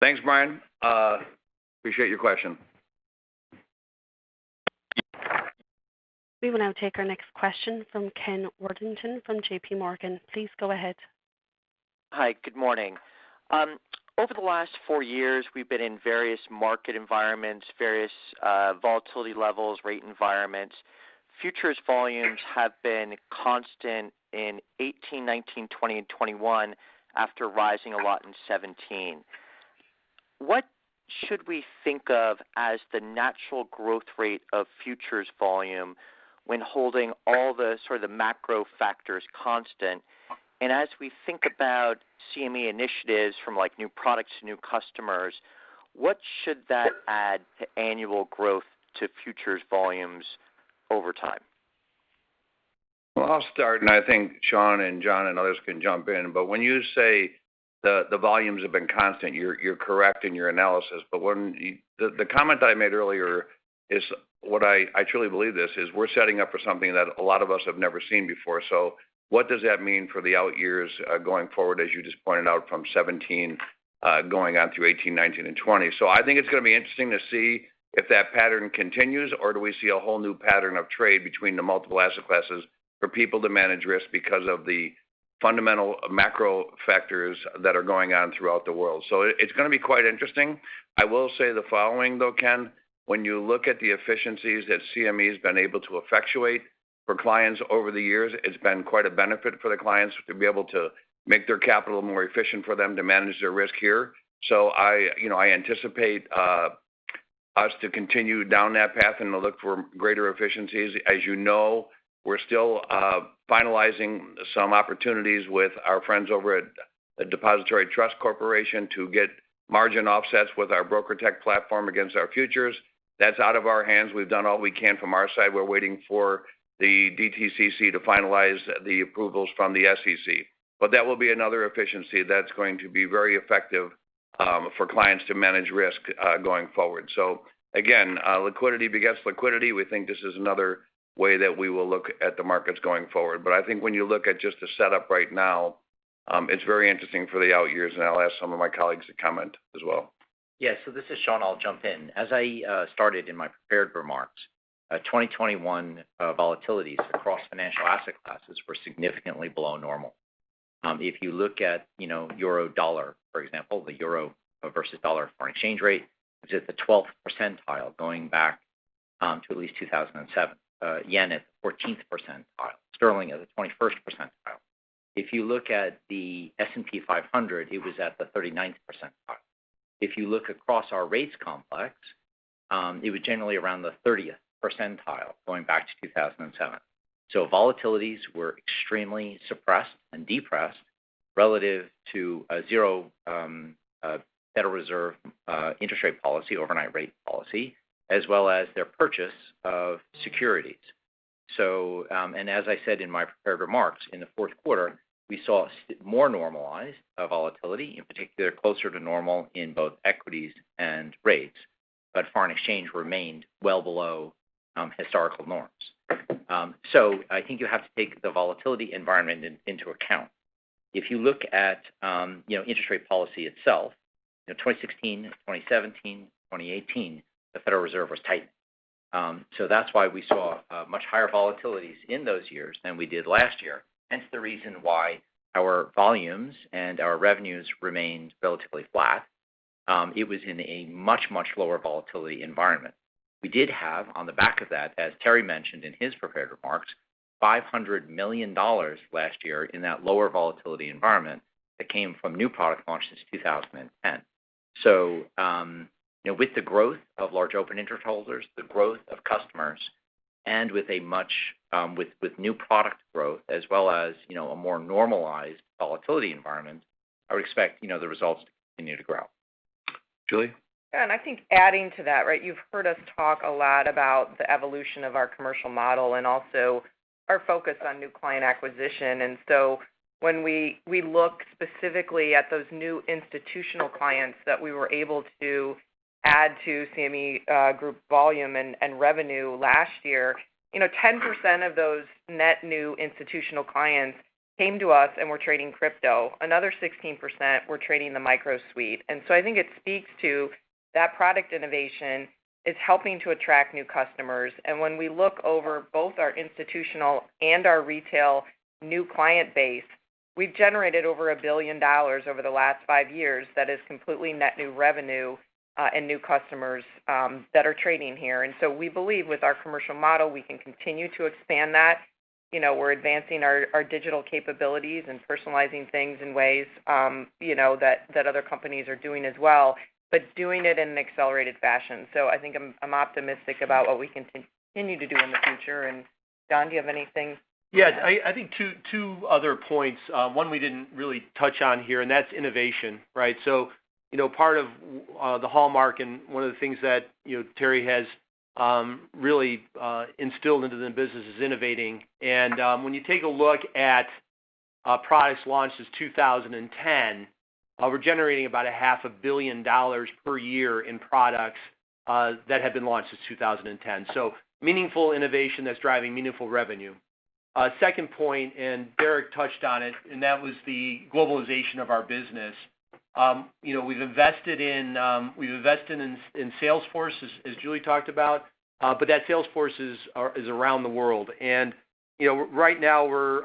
Thanks, Brian. I appreciate your question. We will now take our next question from Ken Worthington from JPMorgan. Please go ahead. Hi. Good morning. Over the last four years, we've been in various market environments, various volatility levels, rate environments. Futures volumes have been constant in 2018, 2019, 2020 and 2021 after rising a lot in 2017. What should we think of as the natural growth rate of futures volume when holding all sorts of macro factors constant? As we think about CME initiatives from, like, new products to new customers, what should that add to annual growth to futures volumes over time? Well, I'll start, and I think Sean and John and others can jump in. When you say the volumes have been constant, you're correct in your analysis. The comment I made earlier is what I truly believe this is, we're setting up for something that a lot of us have never seen before. What does that mean for the out years going forward, as you just pointed out, from 2017 going on through 2018, 2019 and 2020? I think it's gonna be interesting to see if that pattern continues or do we see a whole new pattern of trade between the multiple asset classes for people to manage risk because of the fundamental macro factors that are going on throughout the world. It's gonna be quite interesting. I will say the following though, Ken, when you look at the efficiencies that CME has been able to effectuate for clients over the years, it's been quite a benefit for the clients to be able to make their capital more efficient for them to manage their risk here. I, you know, I anticipate us to continue down that path and to look for greater efficiencies. As you know, we're still finalizing some opportunities with our friends over at Depository Trust & Clearing Corporation to get margin offsets with our BrokerTec platform against our futures. That's out of our hands. We've done all we can from our side. We're waiting for the DTCC to finalize the approvals from the SEC. That will be another efficiency that's going to be very effective for clients to manage risk going forward. Again, liquidity begets liquidity. We think this is another way that we will look at the markets going forward. I think when you look at just the setup right now, it's very interesting for the outyears, and I'll ask some of my colleagues to comment as well. Yeah. This is Sean, I'll jump in. As I started in my prepared remarks, 2021 volatilities across financial asset classes were significantly below normal. If you look at, you know, euro dollar, for example, the euro versus dollar foreign exchange rate is at the 12th percentile going back to at least 2007. Yen at 14th percentile. Sterling at the 21st percentile. If you look at the S&P 500, it was at the 39th percentile. If you look across our rates complex, it was generally around the 30th percentile going back to 2007. Volatilities were extremely suppressed and depressed relative to a zero Federal Reserve interest rate policy, overnight rate policy, as well as their purchase of securities. As I said in my prepared remarks, in the fourth quarter, we saw more normalized volatility, in particular, closer to normal in both equities and rates, but foreign exchange remained well below historical norms. I think you have to take the volatility environment into account. If you look at, you know, interest rate policy itself, you know, 2016, 2017, 2018, the Federal Reserve was tight. That's why we saw much higher volatilities in those years than we did last year, hence the reason why our volumes and our revenues remained relatively flat. It was in a much lower volatility environment. We did have, on the back of that, as Terry mentioned in his prepared remarks, $500 million last year in that lower volatility environment that came from new product launches since 2010. You know, with the growth of large open interest holders, the growth of customers, and with new product growth as well as, you know, a more normalized volatility environment, I would expect, you know, the results to continue to grow. Julie? Yeah. I think adding to that, right? You've heard us talk a lot about the evolution of our commercial model and also our focus on new client acquisition. When we look specifically at those new institutional clients that we were able to add to CME Group volume and revenue last year, you know, 10% of those net new institutional clients came to us and were trading crypto. Another 16% were trading the Micro E-mini. I think it speaks to that product innovation is helping to attract new customers. When we look over both our institutional and our retail new client base, we've generated over $1 billion over the last five years that is completely net new revenue and new customers that are trading here. We believe with our commercial model, we can continue to expand that. You know, we're advancing our digital capabilities and personalizing things in ways, you know, that other companies are doing as well, but doing it in an accelerated fashion. I think I'm optimistic about what we can continue to do in the future. John, do you have anything to add? I think two other points. One we didn't really touch on here, and that's innovation, right? You know, part of the hallmark and one of the things that, you know, Terry has really instilled into the business is innovating. When you take a look at products launched since 2010, we're generating about $ half a billion dollars per year in products that have been launched since 2010. Meaningful innovation that's driving meaningful revenue. Second point, Derek touched on it, and that was the globalization of our business. You know, we've invested in sales force, as Julie talked about, but that sales force is around the world. You know, right now we're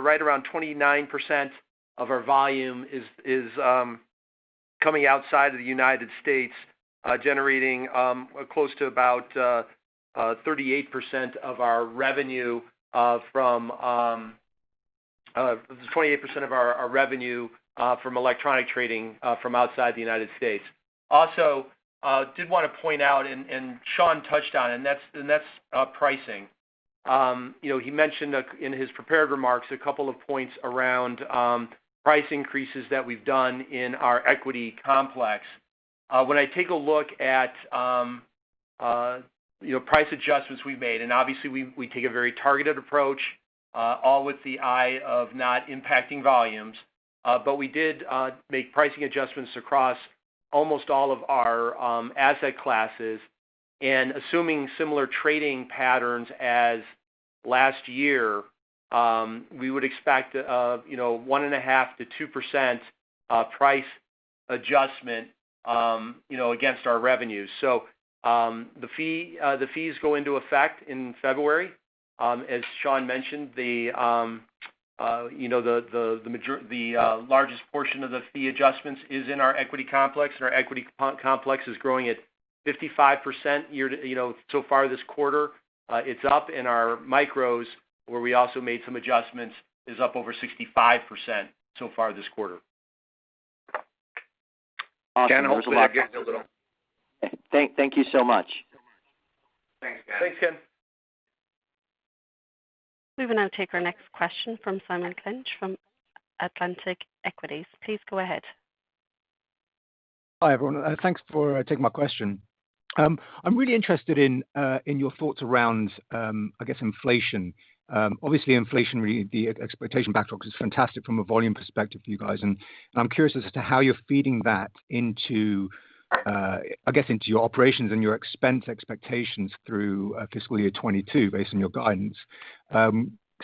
right around 29% of our volume coming outside of the United States, generating close to about 38% of our revenue from outside the United States. 28% of our revenue from electronic trading from outside the United States. Also, did want to point out, Sean touched on, and that's pricing. You know, he mentioned in his prepared remarks a couple of points around price increases that we've done in our equity complex. When I take a look at, you know, price adjustments we've made, and obviously we take a very targeted approach, all with the eye of not impacting volumes. We did make pricing adjustments across almost all of our asset classes. Assuming similar trading patterns as last year, we would expect, you know, 1.5%-2% price adjustment, you know, against our revenues. The fees go into effect in February. As Sean mentioned, the largest portion of the fee adjustments is in our equity complex, and our equity complex is growing at 55% year to date. You know, so far this quarter, it's up, and our Micros, where we also made some adjustments, is up over 65% so far this quarter. Awesome. There's a lot. Ken, hopefully that answers it all. Thank you so much. Thanks, guys. Thanks, Ken. We will now take our next question from Simon Clinch from Atlantic Equities. Please go ahead. Hi, everyone. Thanks for taking my question. I'm really interested in your thoughts around, I guess, inflation. Obviously, the inflationary expectations backlog is fantastic from a volume perspective for you guys. I'm curious as to how you're feeding that into your operations and your expense expectations through fiscal year 2022 based on your guidance.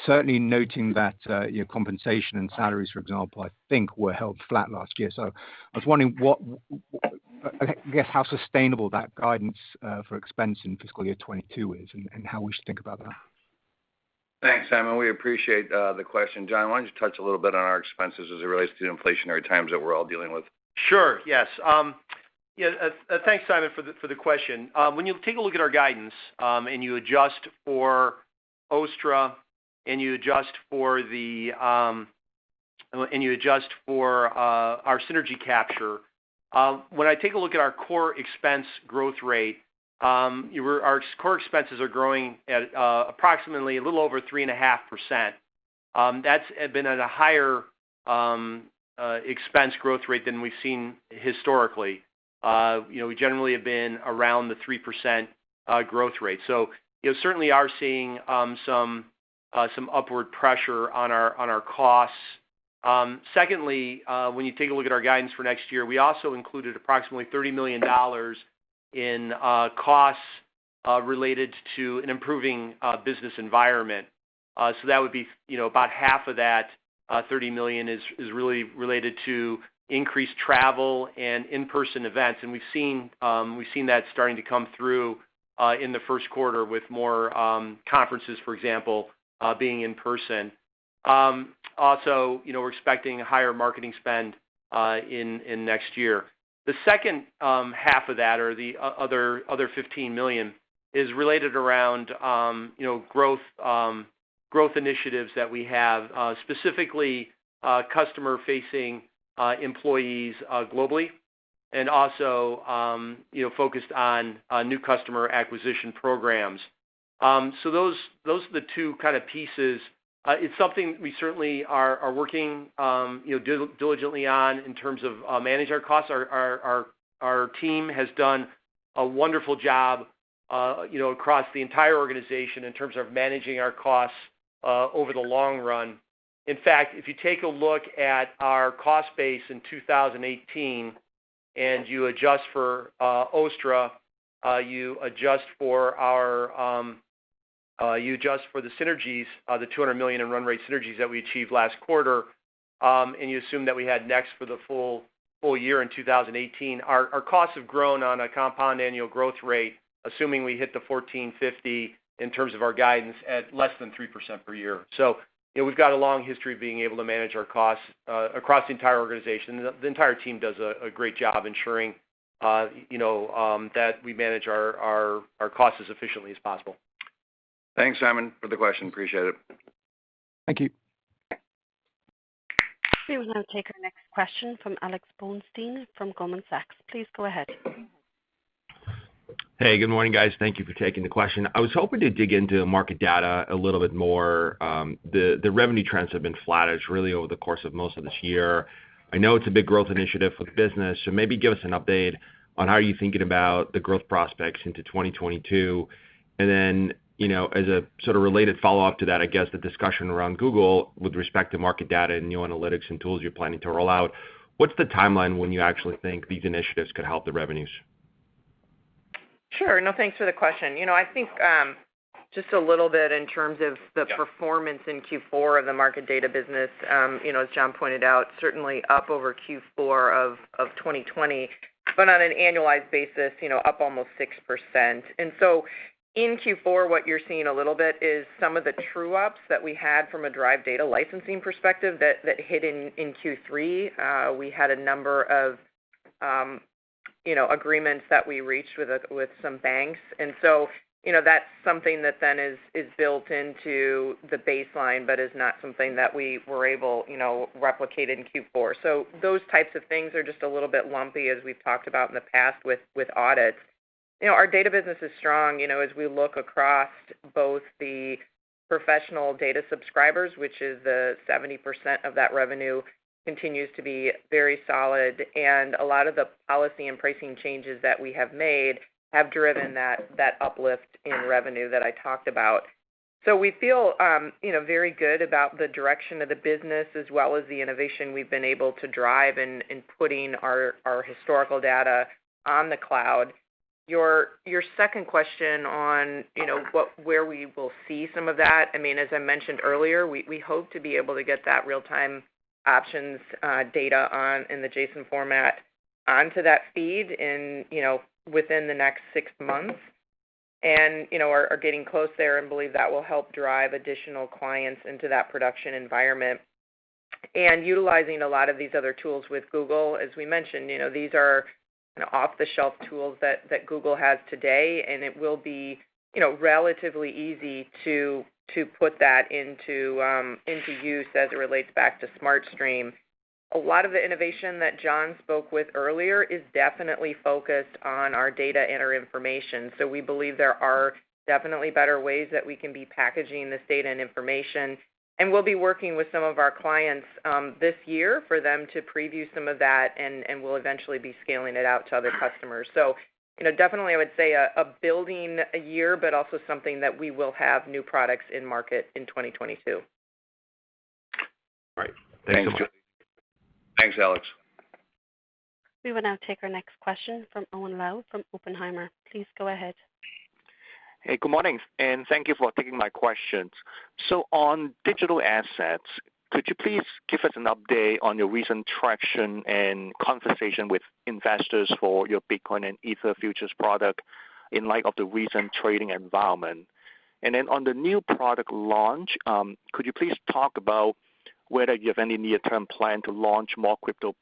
Certainly noting that your compensation and salaries, for example, I think were held flat last year. I was wondering what, I guess, how sustainable that guidance for expense in fiscal year 2022 is and how we should think about that. Thanks, Simon. We appreciate the question. John, why don't you touch a little bit on our expenses as it relates to the inflationary times that we're all dealing with? Thanks, Simon, for the question. When you take a look at our guidance and you adjust for OSTTRA and you adjust for our synergy capture, when I take a look at our core expense growth rate, our core expenses are growing at approximately a little over 3.5%. That's been at a higher expense growth rate than we've seen historically. You know, we generally have been around the 3% growth rate. You certainly are seeing some upward pressure on our costs. Secondly, when you take a look at our guidance for next year, we also included approximately $30 million in costs related to an improving business environment. That would be, you know, about half of that, $30 million is really related to increased travel and in-person events. We've seen that starting to come through in the first quarter with more conferences, for example, being in person. Also, you know, we're expecting higher marketing spend in next year. The second half of that or the other $15 million is related around, you know, growth initiatives that we have, specifically, customer-facing employees globally and also, you know, focused on new customer acquisition programs. Those are the two kind of pieces. It's something we certainly are working, you know, diligently on in terms of manage our costs. Our team has done a wonderful job, you know, across the entire organization in terms of managing our costs over the long run. In fact, if you take a look at our cost base in 2018 and you adjust for OSTTRA, you adjust for the synergies, the $200 million in run rate synergies that we achieved last quarter, and you assume that we had NEX for the full year in 2018, our costs have grown on a compound annual growth rate, assuming we hit the $1,450 in terms of our guidance, at less than 3% per year. You know, we've got a long history of being able to manage our costs across the entire organization. The entire team does a great job ensuring, you know, that we manage our costs as efficiently as possible. Thanks, Simon, for the question. Appreciate it. Thank you. We will now take our next question from Alex Blostein from Goldman Sachs. Please go ahead. Hey, good morning, guys. Thank you for taking the question. I was hoping to dig into market data a little bit more. The revenue trends have been flattish really over the course of most of this year. I know it's a big growth initiative for the business, so maybe give us an update on how you're thinking about the growth prospects into 2022. You know, as a sort of related follow-up to that, I guess the discussion around Google with respect to market data and new analytics and tools you're planning to roll out, what's the timeline when you actually think these initiatives could help the revenues? Sure. No, thanks for the question. You know, I think, just a little bit in terms of the- Yeah Performance in Q4 of the market data business, you know, as John pointed out, certainly up over Q4 of 2020, but on an annualized basis, you know, up almost 6%. In Q4, what you're seeing a little bit is some of the true ups that we had from a derived data licensing perspective that hit in Q3. We had a number of, you know, agreements that we reached with some banks. You know, that's something that then is built into the baseline, but is not something that we were able to replicate in Q4. Those types of things are just a little bit lumpy, as we've talked about in the past with audits. You know, our data business is strong, you know, as we look across both the professional data subscribers, which is the 70% of that revenue continues to be very solid. A lot of the policy and pricing changes that we have made have driven that uplift in revenue that I talked about. We feel, you know, very good about the direction of the business as well as the innovation we've been able to drive in putting our historical data on the cloud. Your second question on, you know, where we will see some of that, I mean, as I mentioned earlier, we hope to be able to get that real-time options data on in the JSON format onto that feed in, you know, within the next six months. You know, we are getting close there and believe that will help drive additional clients into that production environment. Utilizing a lot of these other tools with Google, as we mentioned, you know, these are off-the-shelf tools that Google has today, and it will be, you know, relatively easy to put that into use as it relates back to Smart Stream. A lot of the innovation that John spoke with earlier is definitely focused on our data and our information. We believe there are definitely better ways that we can be packaging this data and information, and we'll be working with some of our clients this year for them to preview some of that, and we'll eventually be scaling it out to other customers. You know, definitely I would say a building year, but also something that we will have new products in market in 2022. All right. Thanks, Julie. Thanks, Alex. We will now take our next question from Owen Lau from Oppenheimer. Please go ahead. Hey, good morning, and thank you for taking my questions. On digital assets, could you please give us an update on your recent traction and conversation with investors for your Bitcoin and Ether futures product in light of the recent trading environment? On the new product launch, could you please talk about whether you have any near-term plan to launch more crypto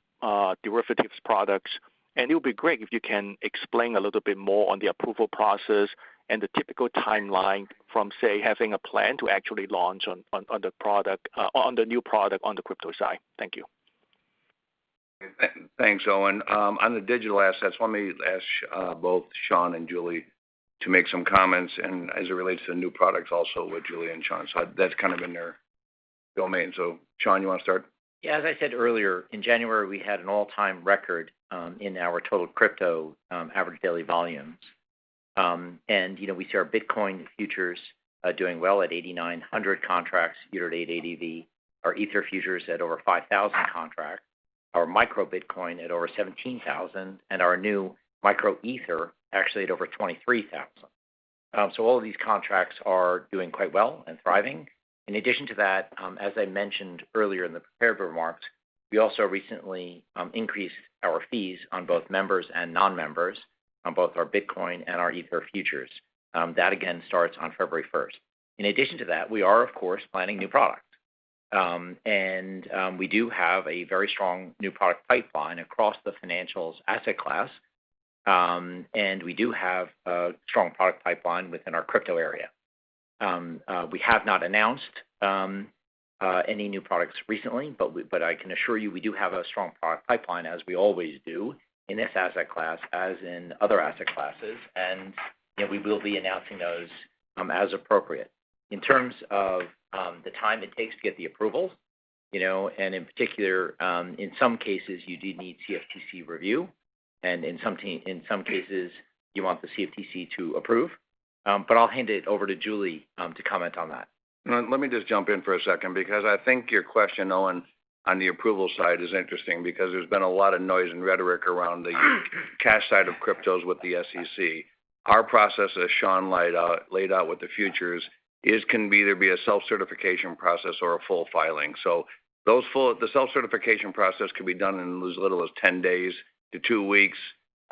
derivatives products? It would be great if you can explain a little bit more on the approval process and the typical timeline from, say, having a plan to actually launch on the new product on the crypto side. Thank you. Thanks, Owen. On the digital assets, let me ask both Sean and Julie to make some comments and as it relates to new products also with Julie and Sean, so that's kind of in their domain. Sean, you wanna start? Yeah, as I said earlier, in January, we had an all-time record in our total crypto average daily volumes. You know, we see our Bitcoin futures doing well at 8,900 contracts year-to-date ADV. Our Ether futures at over 5,000 contracts. Our Micro Bitcoin at over 17,000, and our new Micro Ether actually at over 23,000. All of these contracts are doing quite well and thriving. In addition to that, as I mentioned earlier in the prepared remarks, we also recently increased our fees on both members and non-members on both our Bitcoin and our Ether futures. That again starts on February first. In addition to that, we are of course planning new products. We do have a very strong new product pipeline across the financials asset class, and we do have a strong product pipeline within our crypto area. We have not announced any new products recently, but I can assure you we do have a strong product pipeline as we always do in this asset class, as in other asset classes, and, you know, we will be announcing those as appropriate. In terms of the time it takes to get the approvals, you know, and in particular, in some cases you do need CFTC review and in some cases you want the CFTC to approve. I'll hand it over to Julie to comment on that. Let me just jump in for a second because I think your question, Owen, on the approval side is interesting because there's been a lot of noise and rhetoric around the cash side of cryptos with the SEC. Our process, as Sean laid out with the futures, can be either a self-certification process or a full filing. So the self-certification process can be done in as little as 10 days to 2 weeks.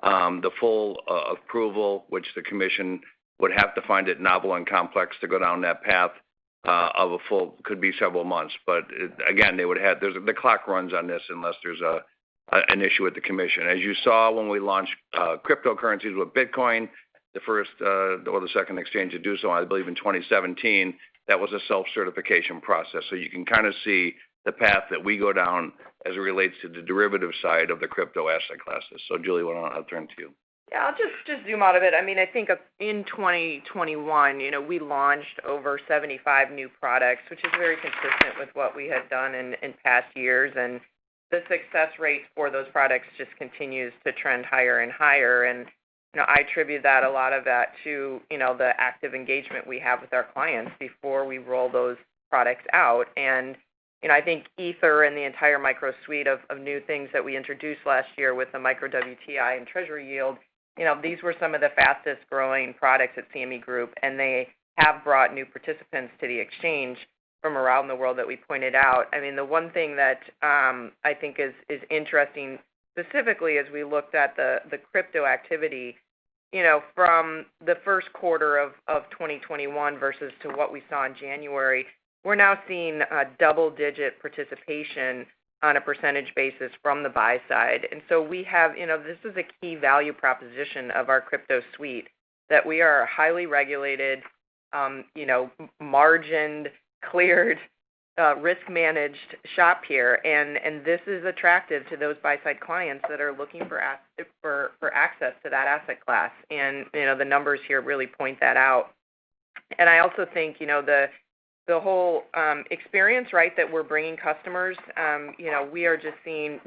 The full approval, which the commission would have to find it novel and complex to go down that path, could be several months. Again, they would have. The clock runs on this unless there's an issue with the commission. As you saw when we launched cryptocurrencies with Bitcoin, the first or the second exchange to do so, I believe in 2017, that was a self-certification process. You can kind of see the path that we go down as it relates to the derivative side of the crypto asset classes. Julie, why don't I turn to you? Yeah, I'll just zoom out a bit. I mean, I think back in 2021, you know, we launched over 75 new products, which is very consistent with what we had done in past years. The success rates for those products just continues to trend higher and higher. You know, I attribute that, a lot of that to, you know, the active engagement we have with our clients before we roll those products out. You know, I think Ether and the entire micro suite of new things that we introduced last year with the micro WTI and Treasury Yield, you know, these were some of the fastest-growing products at CME Group, and they have brought new participants to the exchange from around the world that we pointed out. I mean, the one thing that I think is interesting, specifically as we looked at the crypto activity, you know, from the first quarter of 2021 versus to what we saw in January, we're now seeing a double-digit% participation from the buy side. You know, this is a key value proposition of our crypto suite, that we are a highly regulated, you know, margined, cleared, risk managed shop here, and this is attractive to those buy-side clients that are looking for access to that asset class. You know, the numbers here really point that out. I also think, you know, the whole experience, right, that we're bringing customers, you know, we are just seeing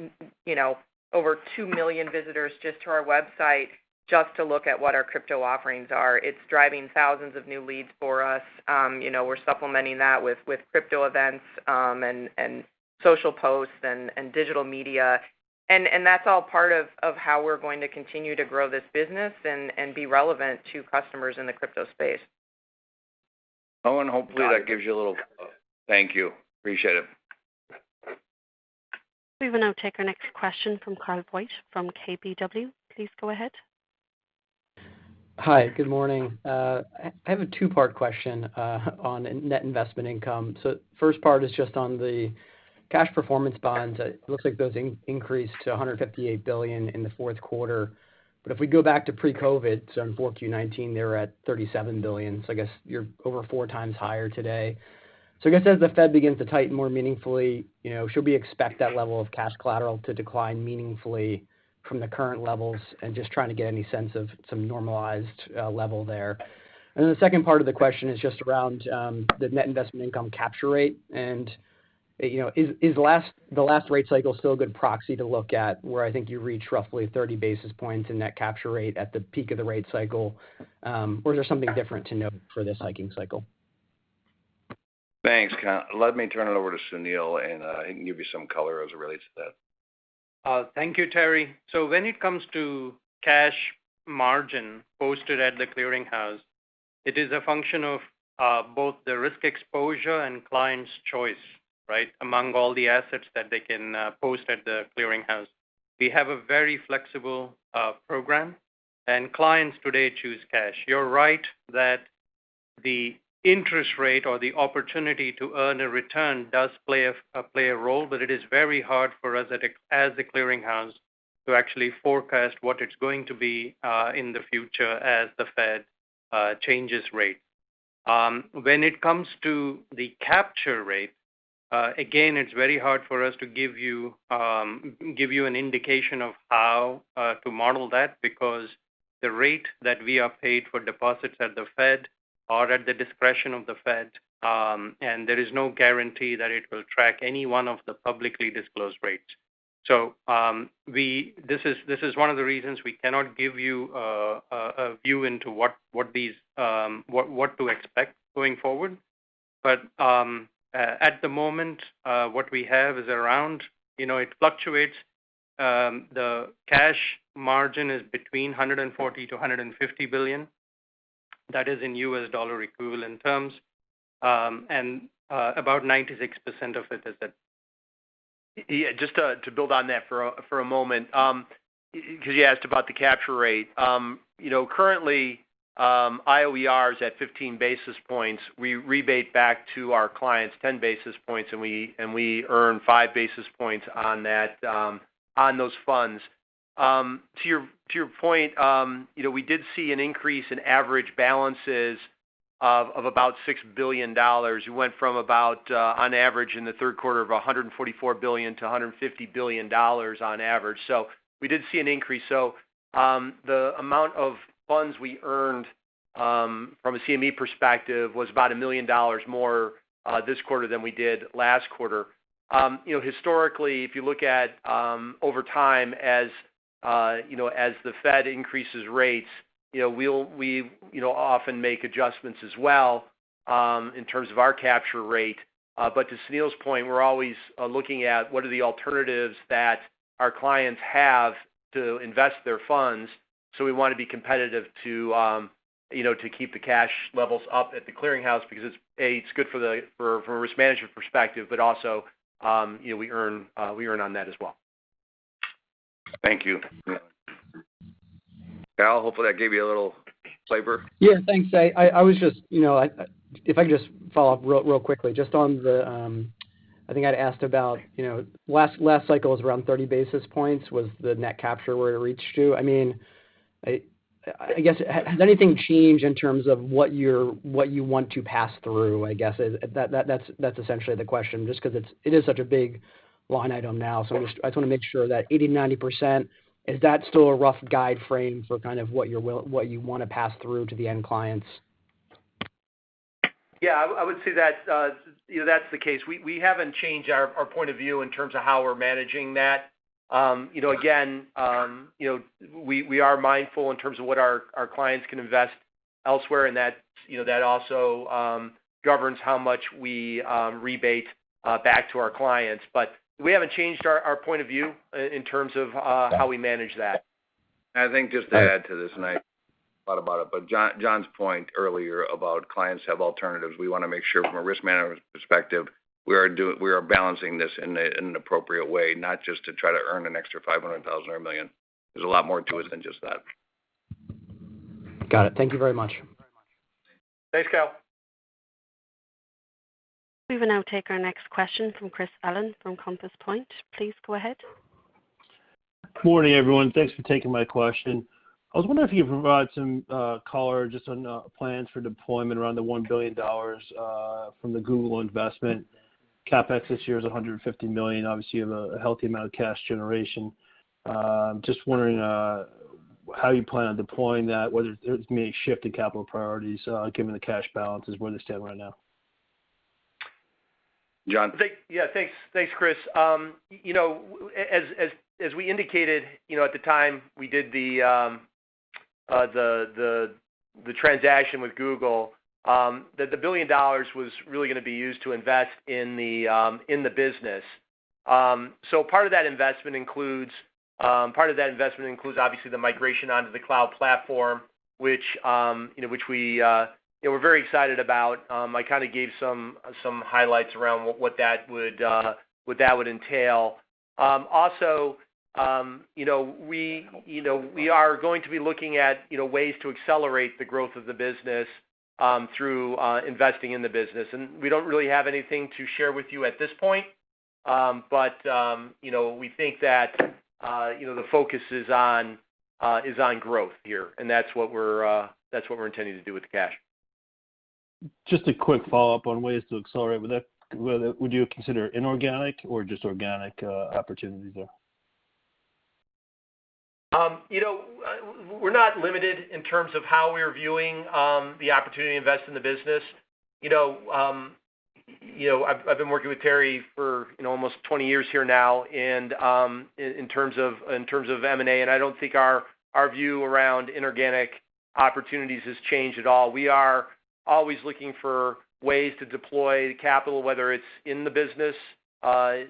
you know, over 2 million visitors just to our website just to look at what our crypto offerings are. It's driving thousands of new leads for us. You know, we're supplementing that with crypto events, and social posts and digital media. That's all part of how we're going to continue to grow this business and be relevant to customers in the crypto space. Owen, hopefully that gives you a little. Thank you. Appreciate it. We will now take our next question from Kyle Voigt from KBW. Please go ahead. Hi. Good morning. I have a two-part question on net investment income. First part is just on the cash performance bonds. It looks like those increased to $158 billion in the fourth quarter. If we go back to pre-COVID, in 4Q 2019, they were at $37 billion. I guess you're over four times higher today. I guess as the Fed begins to tighten more meaningfully, you know, should we expect that level of cash collateral to decline meaningfully from the current levels? Just trying to get any sense of some normalized level there. The second part of the question is just around the net investment income capture rate and, you know, is the last rate cycle still a good proxy to look at where I think you reached roughly 30 basis points in net capture rate at the peak of the rate cycle, or is there something different to note for this hiking cycle? Thanks, Kyle. Let me turn it over to Sunil, and he can give you some color as it relates to that. Thank you, Terry. When it comes to cash margin posted at the clearinghouse, it is a function of both the risk exposure and client's choice, right? Among all the assets that they can post at the clearinghouse, we have a very flexible program, and clients today choose cash. You're right that the interest rate or the opportunity to earn a return does play a role, but it is very hard for us as a clearinghouse to actually forecast what it's going to be in the future as the Fed changes rate. When it comes to the capture rate, again, it's very hard for us to give you an indication of how to model that because the rate that we are paid for deposits at the Fed are at the discretion of the Fed, and there is no guarantee that it will track any one of the publicly disclosed rates. This is one of the reasons we cannot give you a view into what to expect going forward. At the moment, what we have is around, you know, it fluctuates. The cash margin is between $140 billion-$150 billion. That is in U.S. dollar equivalent terms. About 96% of it is that. Yeah, just to build on that for a moment, because you asked about the capture rate. You know, currently, IOER is at 15 basis points. We rebate back to our clients 10 basis points, and we earn 5 basis points on that, on those funds. To your point, you know, we did see an increase in average balances of about $6 billion. We went from about on average in the third quarter of $144 billion to $150 billion on average. We did see an increase. The amount of funds we earned from a CME perspective was about $1 million more this quarter than we did last quarter. You know, historically, if you look at over time as you know, as the Fed increases rates, you know, we often make adjustments as well in terms of our capture rate. To Sunil's point, we're always looking at what are the alternatives that our clients have to invest their funds. We want to be competitive to you know, to keep the cash levels up at the clearinghouse because it's A, it's good for a risk management perspective, but also you know, we earn on that as well. Thank you. Kyle, hopefully that gave you a little flavor. Yeah, thanks. I was just, you know, if I could just follow up real quickly, just on the, I think I'd asked about, you know, last cycle was around 30 basis points was the net capture where it reached to. I mean, I guess, has anything changed in terms of what you want to pass through, I guess, is. That's essentially the question just 'cause it's such a big line item now. I just wanna make sure that 80%-90% is that still a rough guideline for kind of what you wanna pass through to the end clients? Yeah, I would say that, you know, that's the case. We haven't changed our point of view in terms of how we're managing that. You know, again, you know, we are mindful in terms of what our clients can invest elsewhere and that, you know, that also governs how much we rebate back to our clients. We haven't changed our point of view in terms of how we manage that. I think just to add to this, and I thought about it. John's point earlier about clients have alternatives. We wanna make sure from a risk management perspective, we are balancing this in an appropriate way, not just to try to earn an extra $500,000 or $1 million. There's a lot more to it than just that. Got it. Thank you very much. Thanks, Kyle. We will now take our next question from Chris Allen from Compass Point. Please go ahead. Morning, everyone. Thanks for taking my question. I was wondering if you could provide some color just on plans for deployment around the $1 billion from the Google investment. CapEx this year is $150 million. Obviously, you have a healthy amount of cash generation. Just wondering how you plan on deploying that, whether it's maybe a shift in capital priorities given the cash balances where they stand right now. John? Yeah, thanks. Thanks, Chris. You know, as we indicated, you know, at the time we did the transaction with Google, that the $1 billion was really gonna be used to invest in the business. So part of that investment includes obviously the migration onto the cloud platform, which, you know, we're very excited about. I kind of gave some highlights around what that would entail. Also, you know, we are going to be looking at, you know, ways to accelerate the growth of the business through investing in the business. We don't really have anything to share with you at this point. you know, we think that, you know, the focus is on growth here, and that's what we're intending to do with the cash. Just a quick follow-up on ways to accelerate. Would you consider inorganic or just organic opportunities there? You know, we're not limited in terms of how we're viewing the opportunity to invest in the business. You know, you know, I've been working with Terry for you know, almost 20 years here now and in terms of M&A, and I don't think our view around inorganic opportunities has changed at all. We are always looking for ways to deploy the capital, whether it's in the business,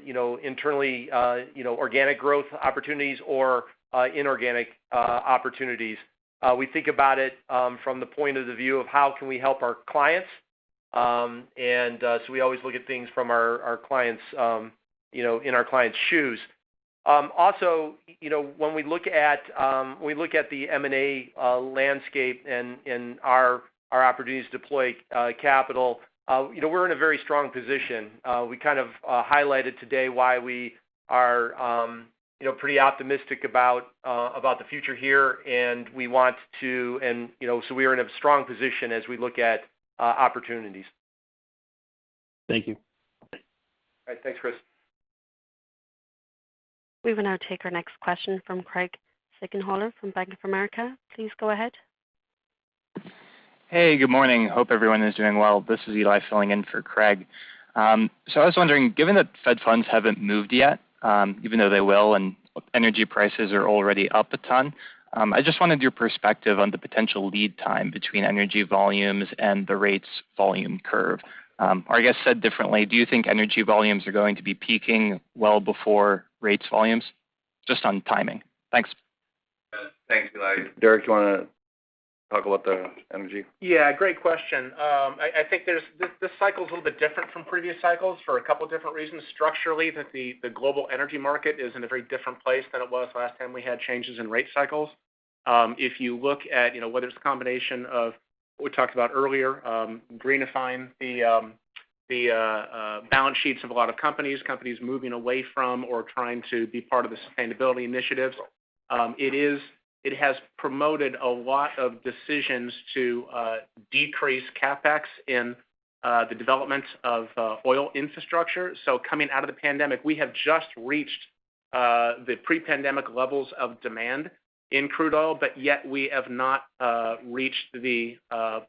you know, internally, you know, organic growth opportunities or inorganic opportunities. We think about it from the point of view of how can we help our clients. We always look at things from our clients you know, in our clients' shoes. Also, you know, when we look at the M&A landscape and our opportunities to deploy capital, you know, we're in a very strong position. We kind of highlighted today why we are, you know, pretty optimistic about the future here. You know, so we are in a strong position as we look at opportunities. Thank you. All right. Thanks, Chris. We will now take our next question from Craig Siegenhaler from Bank of America. Please go ahead. Hey, good morning. Hope everyone is doing well. This is Eli filling in for Craig. I was wondering, given that Fed Funds haven't moved yet, even though they will, and energy prices are already up a ton, I just wanted your perspective on the potential lead time between energy volumes and the rates volume curve. I guess said differently, do you think energy volumes are going to be peaking well before rates volumes? Just on timing. Thanks. Thanks, Eli. Derrick, do you want to talk about the energy? Yeah, great question. I think this cycle is a little bit different from previous cycles for a couple different reasons. Structurally, the global energy market is in a very different place than it was last time we had changes in rate cycles. If you look at, you know, whether it's a combination of what we talked about earlier, greenifying the balance sheets of a lot of companies moving away from or trying to be part of the sustainability initiatives, it has promoted a lot of decisions to decrease CapEx in the development of oil infrastructure. Coming out of the pandemic, we have just reached the pre-pandemic levels of demand in crude oil, but yet we have not reached the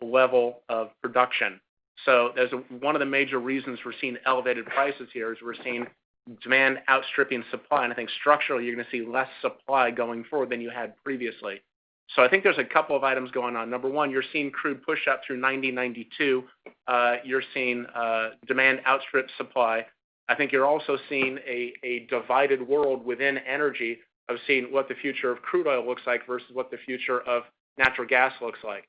level of production. As one of the major reasons we're seeing elevated prices here is we're seeing demand outstripping supply, and I think structurally, you're going to see less supply going forward than you had previously. I think there's a couple of items going on. Number one, you're seeing crude push up through $90-$92. You're seeing demand outstrip supply. I think you're also seeing a divided world within energy of seeing what the future of crude oil looks like versus what the future of natural gas looks like.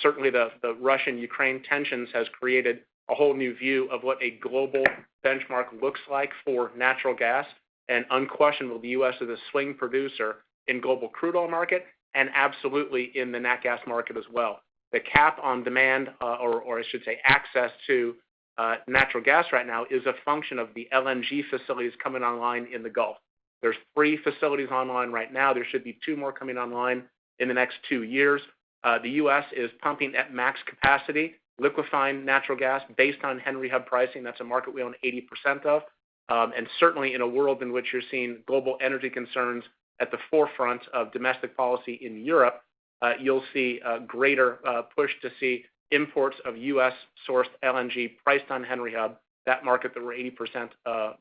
Certainly the Russian-Ukraine tensions has created a whole new view of what a global benchmark looks like for natural gas. Unquestionably, the U.S. is a swing producer in global crude oil market and absolutely in the nat gas market as well. The cap on demand, I should say, access to natural gas right now is a function of the LNG facilities coming online in the Gulf. There's 3 facilities online right now. There should be 2 more coming online in the next 2 years. The U.S. is pumping at max capacity, liquefying natural gas based on Henry Hub pricing. That's a market we own 80% of. Certainly in a world in which you're seeing global energy concerns at the forefront of domestic policy in Europe, you'll see a greater push to see imports of U.S.-sourced LNG priced on Henry Hub, that market that we're 80%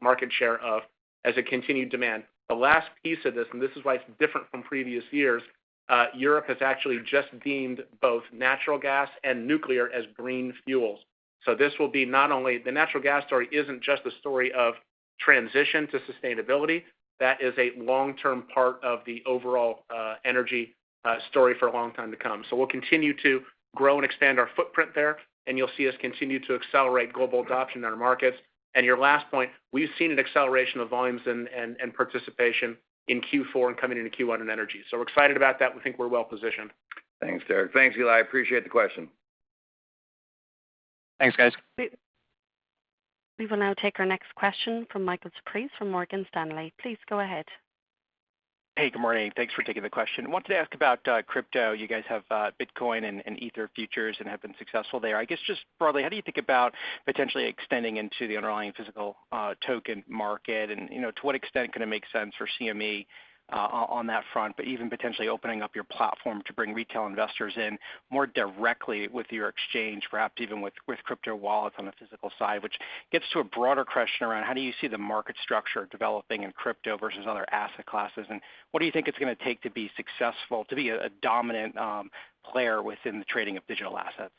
market share of, as a continued demand. The last piece of this, and this is why it's different from previous years, Europe has actually just deemed both natural gas and nuclear as green fuels. This will be not only the natural gas story isn't just a story of transition to sustainability. That is a long-term part of the overall energy story for a long time to come. We'll continue to grow and expand our footprint there, and you'll see us continue to accelerate global adoption in our markets. Your last point, we've seen an acceleration of volumes and participation in Q4 and coming into Q1 in energy. We're excited about that. We think we're well-positioned. Thanks, Derrick. Thanks, Eli. Appreciate the question. Thanks, guys. We will now take our next question from Michael Cyprys from Morgan Stanley. Please go ahead. Hey, good morning. Thanks for taking the question. I wanted to ask about crypto. You guys have Bitcoin and Ether futures and have been successful there. I guess just broadly, how do you think about potentially extending into the underlying physical token market? You know, to what extent can it make sense for CME on that front, but even potentially opening up your platform to bring retail investors in more directly with your exchange, perhaps even with crypto wallets on the physical side, which gets to a broader question around how do you see the market structure developing in crypto versus other asset classes, and what do you think it's gonna take to be successful, to be a dominant player within the trading of digital assets?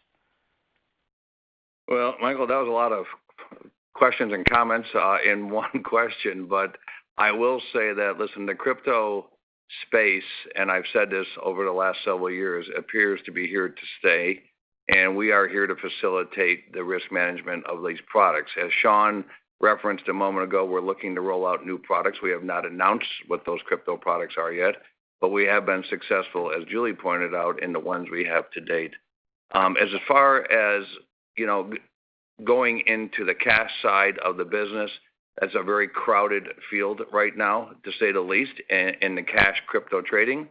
Well, Michael, that was a lot of questions and comments in one question, but I will say that, listen, the crypto space, and I've said this over the last several years, appears to be here to stay, and we are here to facilitate the risk management of these products. As Sean referenced a moment ago, we're looking to roll out new products. We have not announced what those crypto products are yet, but we have been successful, as Julie pointed out, in the ones we have to date. As far as, you know, going into the cash side of the business, that's a very crowded field right now, to say the least, in the cash crypto trading.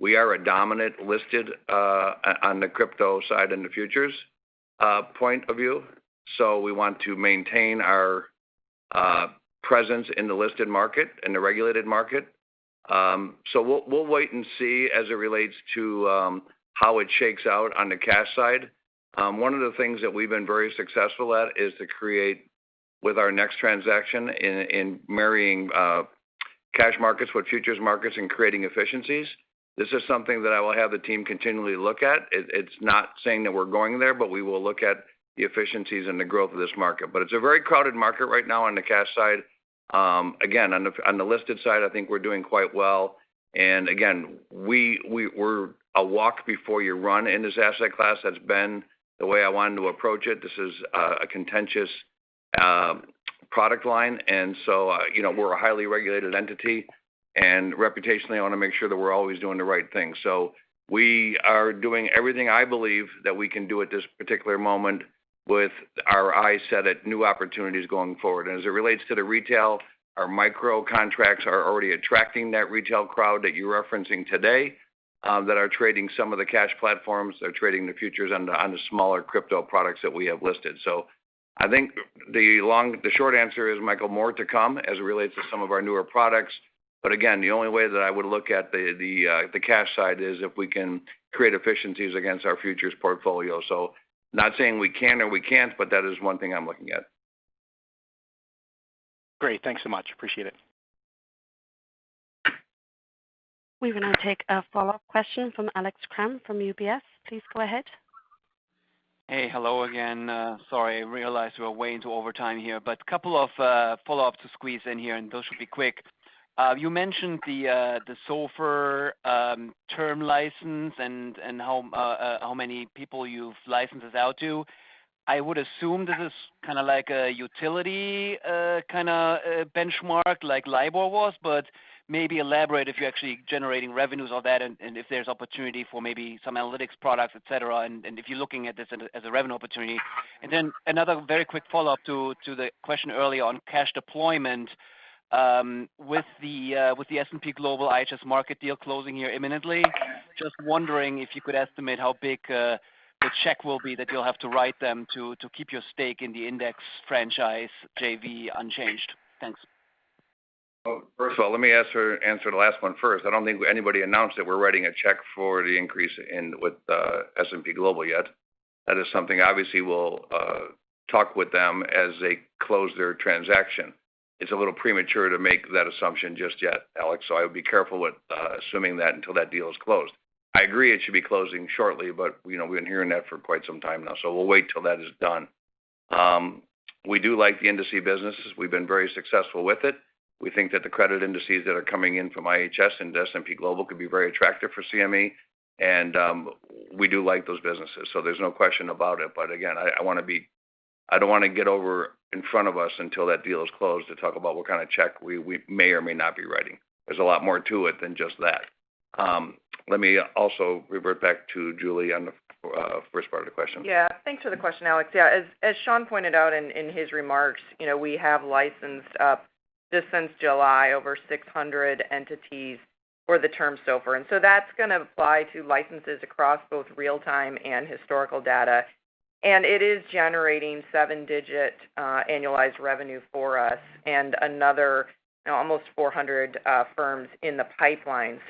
We are a dominant listed on the crypto side in the futures point of view, so we want to maintain our presence in the listed market, in the regulated market. We'll wait and see as it relates to how it shakes out on the cash side. One of the things that we've been very successful at is to create, with our NEX transaction in marrying cash markets with futures markets and creating efficiencies. This is something that I will have the team continually look at. It's not saying that we're going there, but we will look at the efficiencies and the growth of this market. It's a very crowded market right now on the cash side. Again, on the listed side, I think we're doing quite well. We're a walk before you run in this asset class. That's been the way I wanted to approach it. This is a contentious product line. You know, we're a highly regulated entity, and reputationally, I wanna make sure that we're always doing the right thing. We are doing everything I believe that we can do at this particular moment with our eyes set on new opportunities going forward. As it relates to the retail, our micro contracts are already attracting that retail crowd that you're referencing today, that are trading some of the cash platforms. They're trading the futures on the smaller crypto products that we have listed. I think the short answer is, Michael, more to come as it relates to some of our newer products. Again, the only way that I would look at the cash side is if we can create efficiencies against our futures portfolio. Not saying we can or we can't, but that is one thing I'm looking at. Great. Thanks so much. Appreciate it. We will now take a follow-up question from Alex Kramm from UBS. Please go ahead. Hey, hello again. Sorry, I realize we're way into overtime here, but a couple of follow-ups to squeeze in here, and those should be quick. You mentioned the Term SOFR license and how many people you've licensed this out to. I would assume this is kinda like a utility kinda benchmark like LIBOR was, but maybe elaborate if you're actually generating revenues on that and if there's opportunity for maybe some analytics products, et cetera, and if you're looking at this as a revenue opportunity. Another very quick follow-up to the question earlier on cash deployment, with the S&P Global IHS Markit deal closing here imminently, just wondering if you could estimate how big the check will be that you'll have to write them to keep your stake in the index franchise JV unchanged. Thanks. Well, first of all, let me answer the last one first. I don't think anybody announced that we're writing a check for the increase with S&P Global yet. That is something obviously we'll talk with them as they close their transaction. It's a little premature to make that assumption just yet, Alex, so I would be careful with assuming that until that deal is closed. I agree it should be closing shortly, but you know, we've been hearing that for quite some time now, so we'll wait till that is done. We do like the index businesses. We've been very successful with it. We think that the credit indices that are coming in from IHS into S&P Global could be very attractive for CME, and we do like those businesses, so there's no question about it. I don't wanna get ahead of ourselves until that deal is closed to talk about what kind of check we may or may not be writing. There's a lot more to it than just that. Let me also revert back to Julie on the first part of the question. Yeah. Thanks for the question, Alex. Yeah. As Sean pointed out in his remarks, you know, we have licensed just since July, over 600 entities for the Term SOFR. That's gonna apply to licenses across both real-time and historical data. It is generating seven-digit annualized revenue for us and another, you know, almost 400 firms in the pipeline.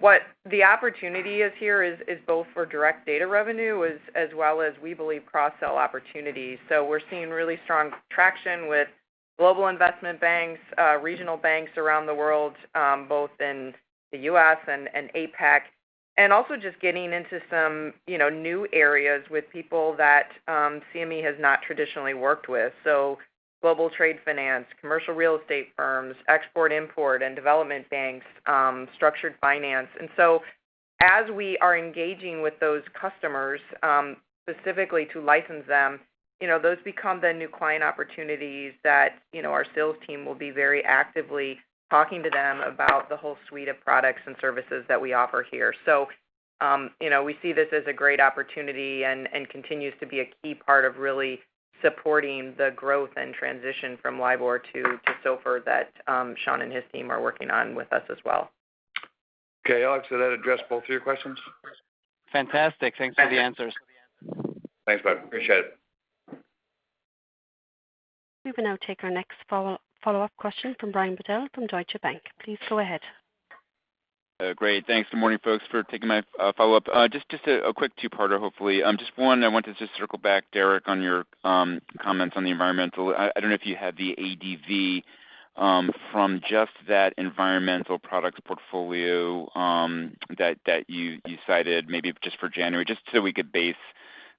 What the opportunity is here is both for direct data revenue as well as we believe cross-sell opportunities. We're seeing really strong traction with global investment banks, regional banks around the world, both in the U.S. and APAC. We're also just getting into some, you know, new areas with people that CME has not traditionally worked with. Global trade finance, commercial real estate firms, export-import and development banks, structured finance. As we are engaging with those customers, specifically to license them, you know, those become the new client opportunities that, you know, our sales team will be very actively talking to them about the whole suite of products and services that we offer here. We see this as a great opportunity and continues to be a key part of really supporting the growth and transition from LIBOR to SOFR that Sean and his team are working on with us as well. Okay. Alex, did that address both of your questions? Fantastic. Thanks for the answers. Thanks, bud. Appreciate it. We will now take our next follow-up question from Brian Bedell from Deutsche Bank. Please go ahead. Great. Thanks. Good morning, folks, for taking my follow-up. Just a quick two-parter, hopefully. Just one, I wanted to just circle back, Derek, on your comments on the environmental. I don't know if you had the ADV from just that environmental products portfolio that you cited maybe just for January, just so we could base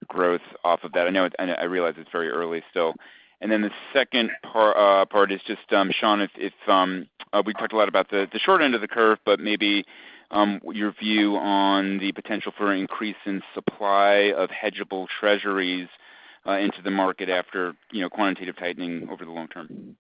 growth off of that. I know it's and I realize it's very early still. Then the second part is just, Sean, it's we talked a lot about the short end of the curve, but maybe your view on the potential for increase in supply of hedgeable Treasuries into the market after, you know, quantitative tightening over the long term.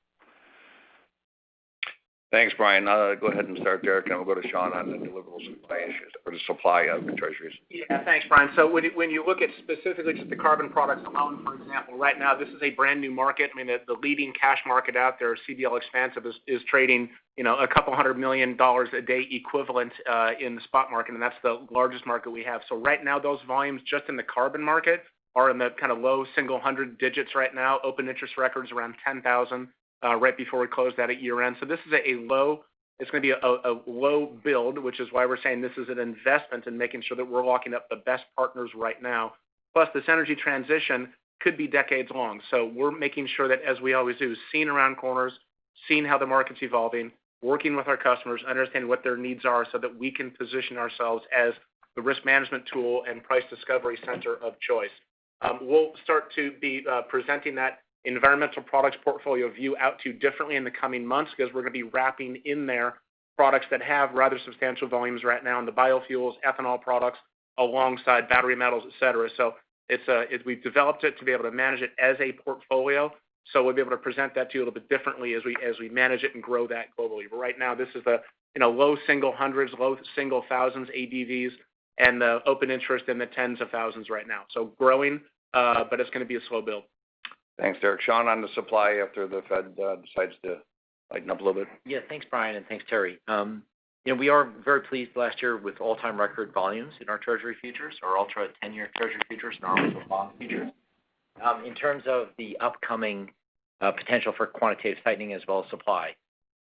Thanks, Brian. Now I'll go ahead and start with Derek, and we'll go to Sean on the deliverables and supply issues or the supply of Treasuries. Yeah, thanks, Brian. When you look at specifically just the carbon products alone, for example, right now, this is a brand-new market. I mean, the leading cash market out there, Xpansiv CBL, is trading, you know, $200 million a day equivalent in the spot market, and that's the largest market we have. Right now, those volumes just in the carbon market are in the kind of low single hundred digits right now. Open interest reached around 10,000 right before we closed out at year-end. This is a low build. It's gonna be a low build, which is why we're saying this is an investment in making sure that we're locking up the best partners right now. Plus, this energy transition could be decades long. We're making sure that, as we always do, seeing around corners, seeing how the market's evolving, working with our customers, understanding what their needs are, so that we can position ourselves as the risk management tool and price discovery center of choice. We'll start to be presenting that environmental products portfolio view out to you differently in the coming months because we're gonna be wrapping in there products that have rather substantial volumes right now in the biofuels, ethanol products, alongside battery metals, et cetera. It's we've developed it to be able to manage it as a portfolio. We'll be able to present that to you a little bit differently as we manage it and grow that globally. Right now, this is, you know, low single hundreds, low single thousands ADVs, and the open interest in the tens of thousands right now. It's growing, but it's gonna be a slow build. Thanks, Derek. Shawn, on the supply after the Fed decides to lighten up a little bit. Yeah. Thanks, Brian, and thanks, Terry. You know, we are very pleased last year with all-time record volumes in our Treasury futures or Ultra 10-Year Treasury futures, normally for bond futures. In terms of the upcoming potential for quantitative tightening as well as supply,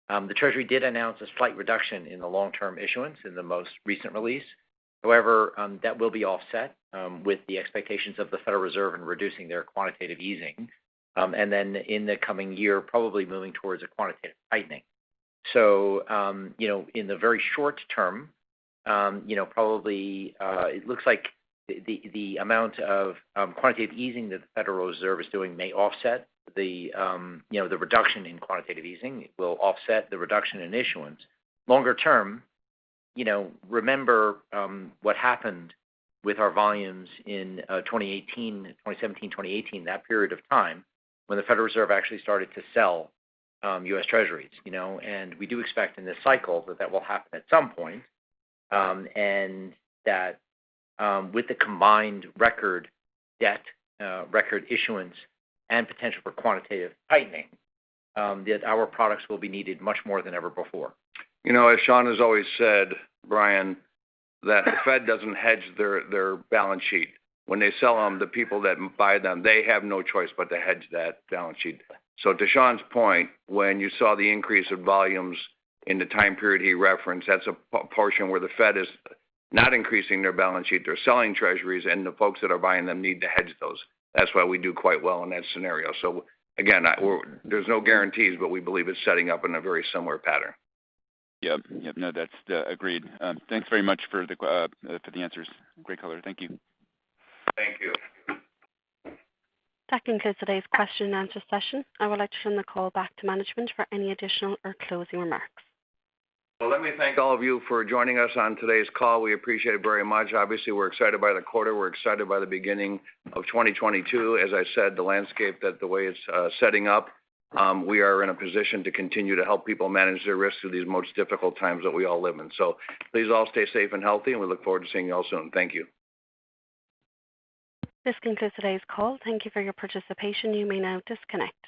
the Treasury did announce a slight reduction in the long-term issuance in the most recent release. However, that will be offset with the expectations of the Federal Reserve in reducing their quantitative easing, and then in the coming year, probably moving towards a quantitative tightening. You know, in the very short-term, you know, probably it looks like the amount of quantitative easing that the Federal Reserve is doing may offset the reduction in quantitative easing will offset the reduction in issuance. Longer term, you know, remember what happened with our volumes in 2017, 2018, that period of time, when the Federal Reserve actually started to sell U.S. Treasuries, you know. We do expect in this cycle that that will happen at some point, and that, with the combined record debt, record issuance and potential for quantitative tightening, that our products will be needed much more than ever before. You know, as Sean has always said, Brian, that the Fed doesn't hedge their balance sheet. When they sell them, the people that buy them, they have no choice but to hedge that balance sheet. To Sean's point, when you saw the increase of volumes in the time period he referenced, that's a portion where the Fed is not increasing their balance sheet. They're selling Treasuries, and the folks that are buying them need to hedge those. That's why we do quite well in that scenario. Again, there's no guarantees, but we believe it's setting up in a very similar pattern. Yep, yep. No, that's agreed. Thanks very much for the answers. Great color. Thank you. Thank you. That concludes today's question and answer session. I would like to turn the call back to management for any additional or closing remarks. Well, let me thank all of you for joining us on today's call. We appreciate it very much. Obviously, we're excited by the quarter. We're excited by the beginning of 2022. As I said, the landscape that the way it's setting up, we are in a position to continue to help people manage their risks through these most difficult times that we all live in. Please all stay safe and healthy, and we look forward to seeing you all soon. Thank you. This concludes today's call. Thank you for your participation. You may now disconnect.